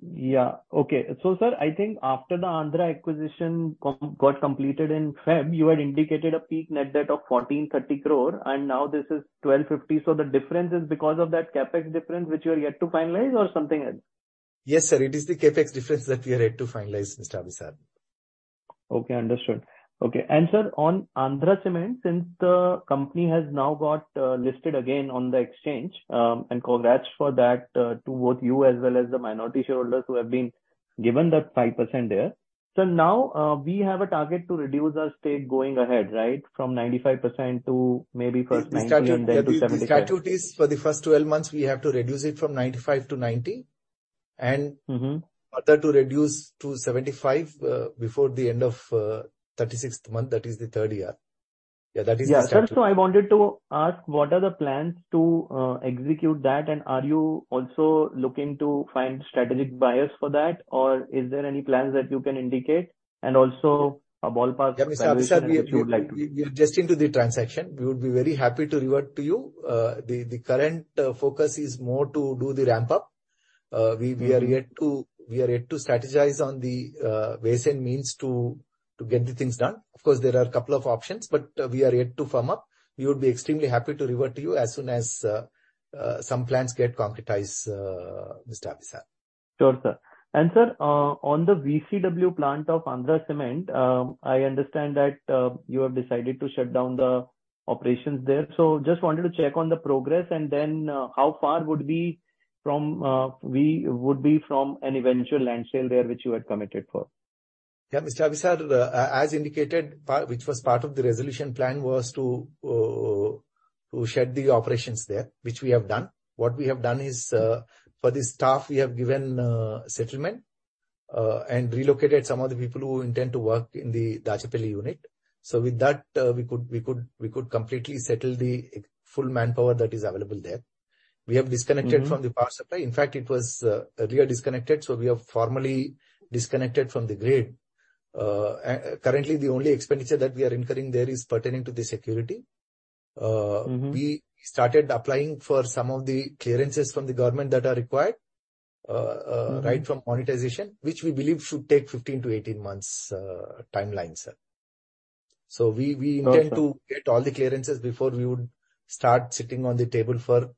Yeah. Okay. Sir, I think after the Andhra acquisition got completed in Feb, you had indicated a peak net debt of 1,430 crore and now this is 1,250 crore. The difference is because of that CapEx difference which you are yet to finalize or something else? Yes, sir, it is the CapEx difference that we are yet to finalize, Mr. Abhisar. Okay, understood. Okay. Sir, on Andhra Cement, since the company has now got listed again on the exchange, and congrats for that to both you as well as the minority shareholders who have been given that 5% there. Now, we have a target to reduce our stake going ahead, right? From 95% to maybe first 90 and then to 75? The statute is for the first 12 months, we have to reduce it from 95-90. Further to reduce to 75 before the end of 36th month, that is the 3rd year. Yeah, that is the statute. Yeah. Sir, I wanted to ask, what are the plans to execute that? Are you also looking to find strategic buyers for that? Is there any plans that you can indicate? Also a ballpark valuation that you would like to- Yeah, Mr. Abhisar, we are just into the transaction. We would be very happy to revert to you. The current focus is more to do the ramp-up. We are yet to strategize on the ways and means to get the things done. Of course, there are a couple of options, but we are yet to firm up. We would be extremely happy to revert to you as soon as some plans get concretized, Mr. Abhisar. Sure, sir. Sir, on the VCW plant of Andhra Cement, I understand that you have decided to shut down the operations there. Just wanted to check on the progress and then how far would we from we would be from an eventual land sale there which you had committed for. Yeah, Mr. Abhisar, as indicated which was part of the resolution plan was to shut the operations there, which we have done. What we have done is, for the staff we have given settlement and relocated some of the people who intend to work in the Dachepalle unit. With that, we could completely settle the full manpower that is available there. We have disconnected. from the power supply. In fact, it was earlier disconnected, so we have formally disconnected from the grid. Currently the only expenditure that we are incurring there is pertaining to the security. We started applying for some of the clearances from the government that are required. Right from monetization, which we believe should take 15-18 months, timeline, sir. we Got it. Intend to get all the clearances before we would start sitting on the table for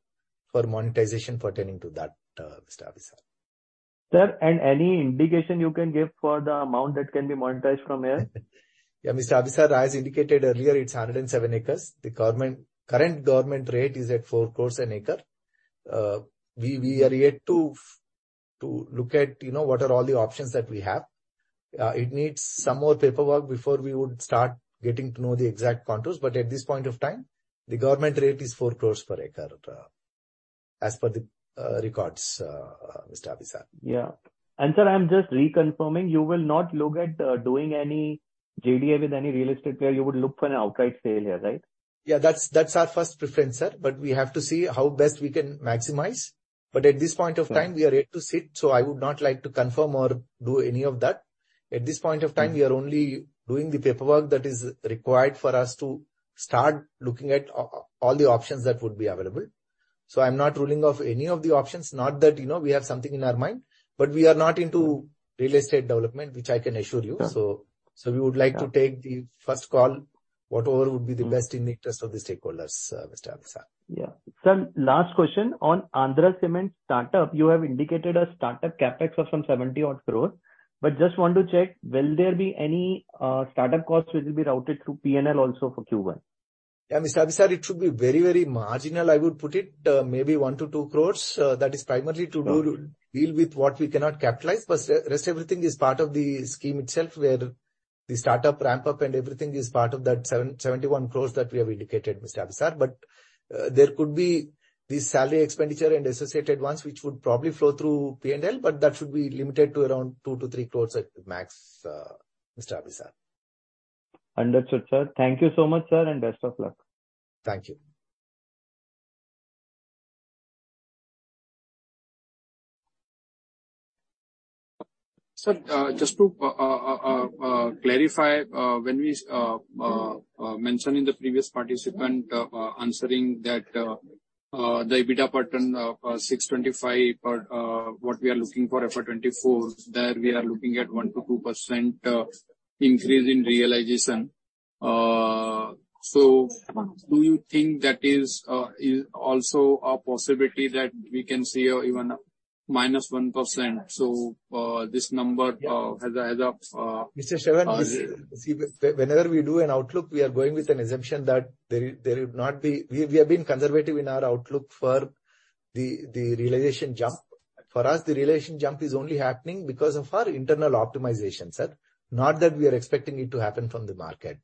monetization pertaining to that, Mr. Abhisar. Sir, any indication you can give for the amount that can be monetized from there? Mr. Abhisar, as indicated earlier, it's 107 acres. The current government rate is at 4 crores an acre. We are yet to look at, you know, what are all the options that we have. It needs some more paperwork before we would start getting to know the exact contours, but at this point of time, the government rate is 4 crores per acre, as per the records, Mr. Abhisar. Yeah. Sir, I'm just reconfirming, you will not look at, doing any JDA with any real estate player. You would look for an outright sale here, right? Yeah, that's our first preference, sir. We have to see how best we can maximize. At this point of time. Yeah. We are yet to sit, so I would not like to confirm or do any of that. At this point of time. We are only doing the paperwork that is required for us to start looking at all the options that would be available. I'm not ruling out any of the options, not that, you know, we have something in our mind. We are not into real estate development, which I can assure you. Sure. we would like to. Yeah. Take the first call, whatever would be the best in the interest of the stakeholders, Mr. Abhisar. Yeah. Sir, last question. On Andhra Cement startup, you have indicated a startup CapEx of some 70 odd crores. Just want to check, will there be any startup costs which will be routed through P&L also for Q1? Yeah, Mr. Abhisar, it should be very, very marginal, I would put it. Maybe 1-2 crores. That is primarily to do. deal with what we cannot capitalize. Rest everything is part of the scheme itself, where the startup ramp-up and everything is part of that 771 crores that we have indicated, Mr. Abhisar. There could be the salary expenditure and associated ones, which would probably flow through P&L, but that should be limited to around 2-3 crores at max, Mr. Abhisar. Understood, sir. Thank you so much, sir, and best of luck. Thank you. Sir, just to clarify, when we mention in the previous participant answering that the EBITDA pattern of 625 per what we are looking for FY 2024, that we are looking at 1%-2% increase in realization. Do you think that is also a possibility that we can see even -1%? Yeah. This. Yeah. has a Mr. Shravan. Uh- Whenever we do an outlook, we are going with an assumption that there would not be. We have been conservative in our outlook for the realization jump. For us, the realization jump is only happening because of our internal optimization, sir, not that we are expecting it to happen from the market.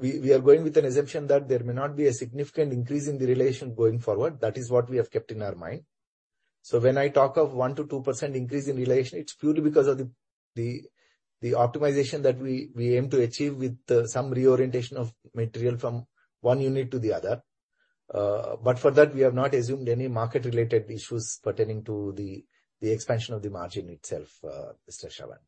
We are going with an assumption that there may not be a significant increase in the realization going forward. That is what we have kept in our mind. When I talk of 1%-2% increase in realization, it's purely because of the optimization that we aim to achieve with some reorientation of material from one unit to the other. For that, we have not assumed any market-related issues pertaining to the expansion of the margin itself, Mr. Shravan.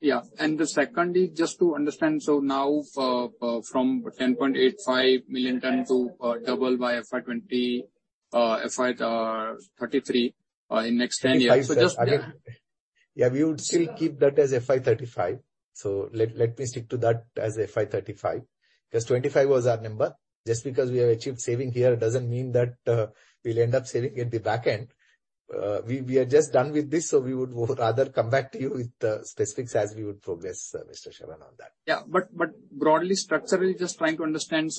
Yeah. The second is just to understand. Now for, from 10.85 million tons to double by FY20, FY33, in next 10 years. 35, sir. So just- Yeah. Yeah, we would still keep that as FY 35. Let me stick to that as FY 35. 25 was our number. Just because we have achieved saving here doesn't mean that we'll end up saving at the back end. We are just done with this. We would rather come back to you with the specifics as we would progress, Mr. Shravan, on that. Broadly structurally, just trying to understand.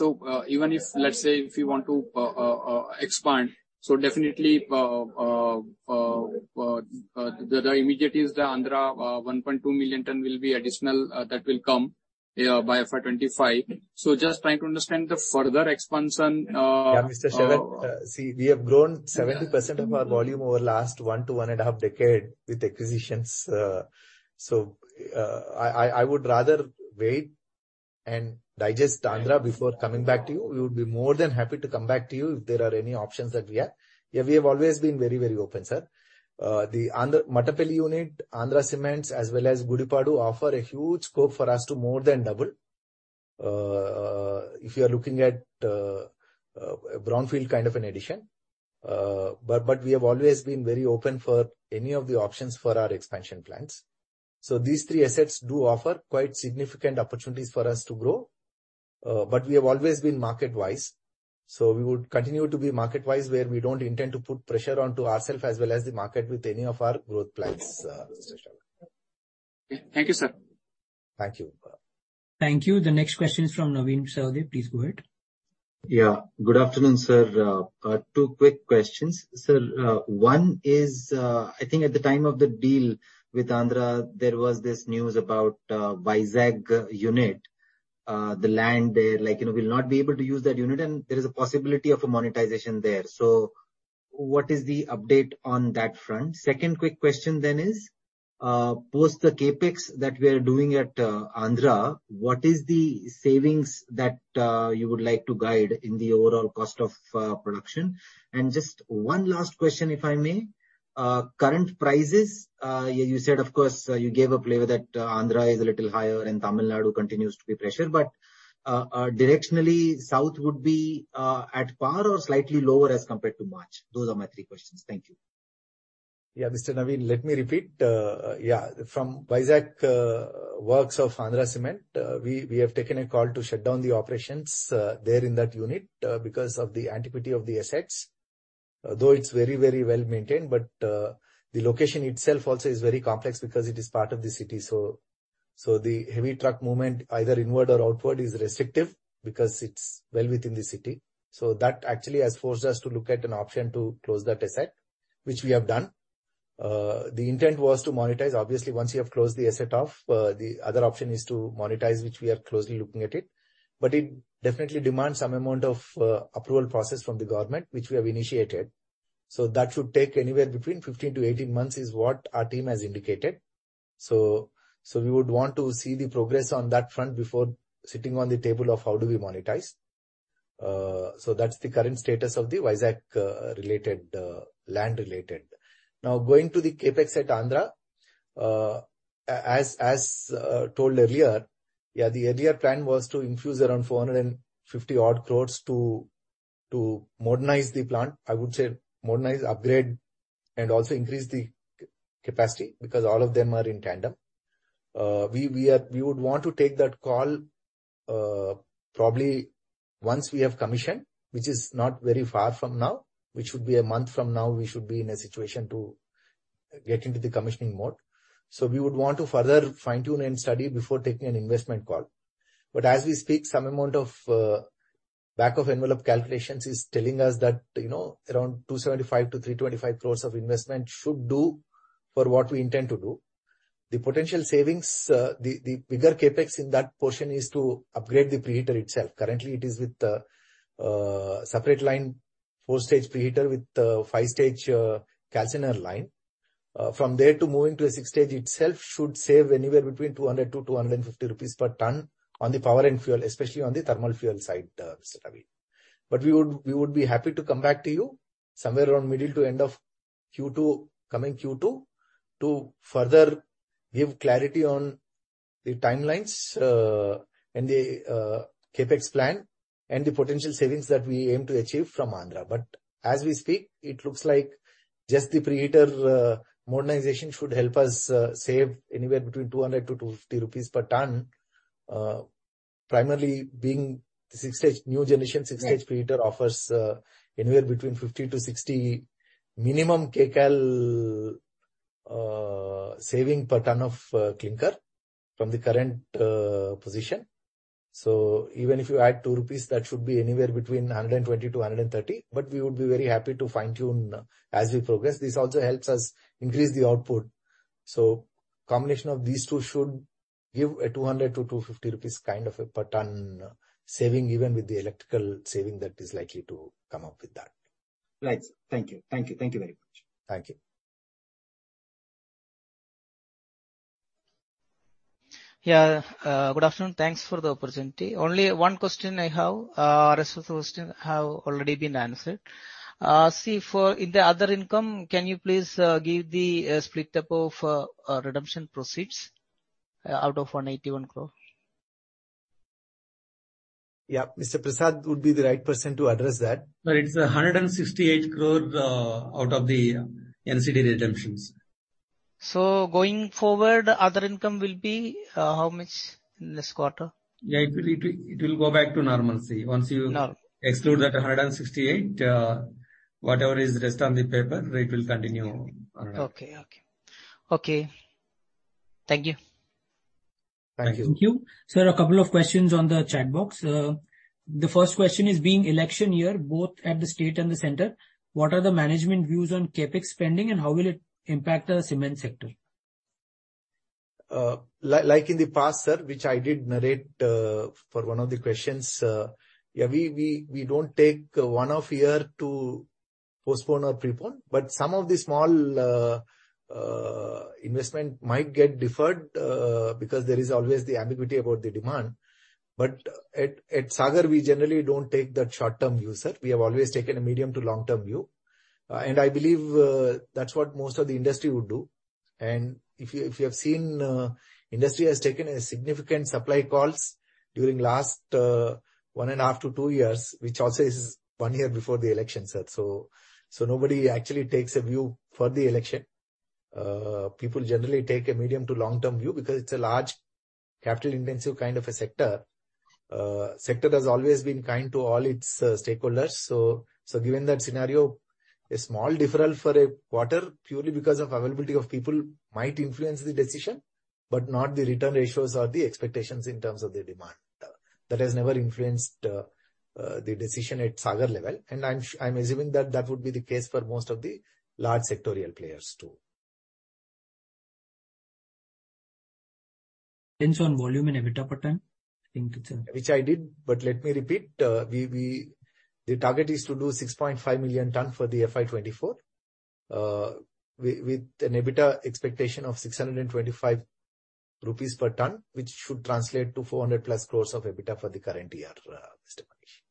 Even if, let's say, if you want to expand, definitely the immediate is the Andhra 1.2 million ton will be additional that will come by FY 2025. Just trying to understand the further expansion. Yeah, Mr. Shravan. See, we have grown 70% of our volume over last 1 to one and a half decade with acquisitions. I would rather wait and digest Andhra before coming back to you. We would be more than happy to come back to you if there are any options that we have. We have always been very, very open, sir. The Mattampally unit, Andhra Cements, as well as Gudipadu offer a huge scope for us to more than double. If you are looking at brownfield kind of an addition. But we have always been very open for any of the options for our expansion plans. These three assets do offer quite significant opportunities for us to grow. We have always been market wise, so we would continue to be market wise where we don't intend to put pressure onto ourself as well as the market with any of our growth plans, Mr. Shravan Shah. Thank you, sir. Thank you. Thank you. The next question is from Navin Sahadeo. Please go ahead. Yeah, good afternoon, sir. Two quick questions. Sir, one is, I think at the time of the deal with Andhra, there was this news about Vizag unit. The land there, like, you know, we'll not be able to use that unit and there is a possibility of a monetization there. What is the update on that front? Second quick question is, post the CapEx that we are doing at Andhra, what is the savings that you would like to guide in the overall cost of production? Just one last question, if I may. Current prices, you said of course you gave a flavor that Andhra is a little higher and Tamil Nadu continues to be pressure, directionally south would be at par or slightly lower as compared to March. Those are my three questions. Thank you. Mr. Navin, let me repeat, from Vizag works of Andhra Cement, we have taken a call to shut down the operations there in that unit because of the antiquity of the assets. Although it's very, very well-maintained, the location itself also is very complex because it is part of the city. So the heavy truck movement either inward or outward is restrictive because it's well within the city. That actually has forced us to look at an option to close that asset, which we have done. The intent was to monetize. Obviously, once you have closed the asset off, the other option is to monetize, which we are closely looking at it definitely demands some amount of approval process from the government, which we have initiated. That should take anywhere between 15 to 18 months is what our team has indicated. We would want to see the progress on that front before sitting on the table of how do we monetize. So that's the current status of the Vizag related land related. Now going to the CapEx at Andhra. As told earlier, yeah, the earlier plan was to infuse around 450 odd crores to modernize the plant. I would say modernize, upgrade and also increase the capacity because all of them are in tandem. We would want to take that call probably once we have commissioned, which is not very far from now, which should be a month from now, we should be in a situation to get into the commissioning mode. We would want to further fine-tune and study before taking an investment call. As we speak, some amount of back of envelope calculations is telling us that, you know, around 275 crore-325 crore of investment should do for what we intend to do. The potential savings, the bigger CapEx in that portion is to upgrade the preheater itself. Currently it is with separate line four-stage preheater with five-stage calciner line. From there to moving to a six-stage itself should save anywhere between 200-250 rupees per ton on the power and fuel, especially on the thermal fuel side, Mr. Navin. We would be happy to come back to you somewhere around middle to end of Q2, coming Q2 to further give clarity on the timelines, and the CapEx plan and the potential savings that we aim to achieve from Andhra. As we speak, it looks like just the preheater modernization should help us save anywhere between 200-250 rupees per ton. Primarily being the six-stage, new generation six-stage preheater offers anywhere between 50-60 minimum kcal saving per ton of clinker from the current position. Even if you add 2 rupees, that should be anywhere between 120-130. We would be very happy to fine-tune as we progress. This also helps us increase the output. Combination of these two should give a 200-250 rupees kind of a per ton saving, even with the electrical saving that is likely to come up with that. Right. Thank you. Thank you. Thank you very much. Thank you. Good afternoon. Thanks for the opportunity. Only one question I have. Rest of the questions have already been answered. See for in the other income, can you please give the split up of redemption proceeds out of 181 crore? Yeah. Mr. Prasad would be the right person to address that. No, it's 168 crore, out of the NCD redemptions. Going forward, other income will be, how much in this quarter? Yeah, it will go back to normalcy. Once. Normal. Exclude that 168, whatever is rest on the paper, it will continue on that. Okay. Okay. Okay. Thank you. Thank you. Thank you. Sir, a couple of questions on the chat box. The first question is being election year both at the state and the center, what are the management views on CapEx spending and how will it impact the cement sector? Like in the past, sir, which I did narrate, for one of the questions, yeah, we don't take one off year to postpone or prepone, but some of the small investment might get deferred because there is always the ambiguity about the demand. At Sagar, we generally don't take that short-term view, sir. We have always taken a medium to long-term view. I believe that's what most of the industry would do. If you have seen, industry has taken a significant supply calls during last 1.5-2 years, which also is one year before the election, sir. Nobody actually takes a view for the election. People generally take a medium to long-term view because it's a large capital-intensive kind of a sector. Sector has always been kind to all its stakeholders. Given that scenario, a small deferral for a quarter purely because of availability of people might influence the decision, but not the return ratios or the expectations in terms of the demand. That has never influenced the decision at Sagar, and I'm assuming that that would be the case for most of the large sectorial players too. Change on volume and EBITDA per ton, I think it's. Which I did, but let me repeat. We, the target is to do 6.5 million tons for the FY 2024, with an EBITDA expectation of 625 rupees per ton, which should translate to 400+ crores of EBITDA for the current year, Mr. Manish.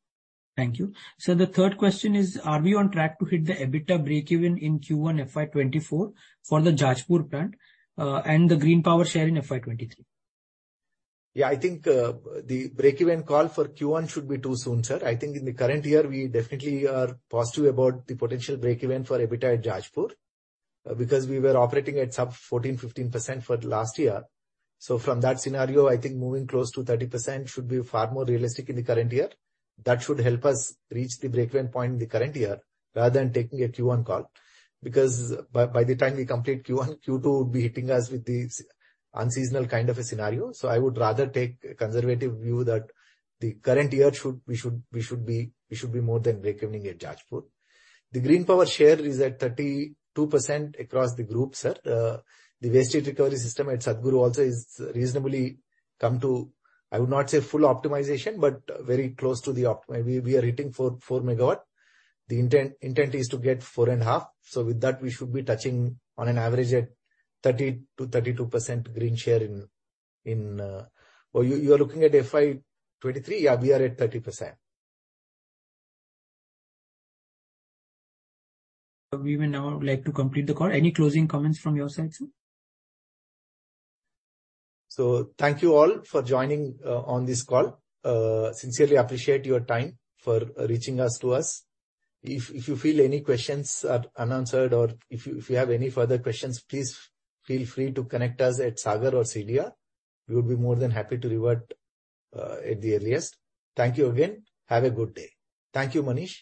Thank you. The third question is, are we on track to hit the EBITDA break even in Q1 FY 2024 for the Jajpur plant, and the green power share in FY 2023? Yeah, I think the break even call for Q1 should be too soon, sir. I think in the current year, we definitely are positive about the potential break even for EBITDA at Jeerabad because we were operating at sub 14%, 15% for last year. From that scenario, I think moving close to 30% should be far more realistic in the current year. That should help us reach the break even point in the current year rather than taking a Q1 call. By the time we complete Q1, Q2 will be hitting us with the unseasonal kind of a scenario. I would rather take a conservative view that the current year we should be more than breaking even at Jeerabad. The green power share is at 32% across the group, sir. The waste heat recovery system at Satguru Cement also is reasonably come to. I would not say full optimization, but very close to the opt--. We are hitting 4 megawatt. The intent is to get 4.5. With that, we should be touching on an average at 30%-32% green share in. Oh, you are looking at FY 2023? Yeah, we are at 30%. We will now like to complete the call. Any closing comments from your side, sir? Thank you all for joining on this call. Sincerely appreciate your time for reaching us to us. If you feel any questions are unanswered or if you have any further questions, please feel free to connect us at Sagar or CDR India. We would be more than happy to revert at the earliest. Thank you again. Have a good day. Thank you, Manish.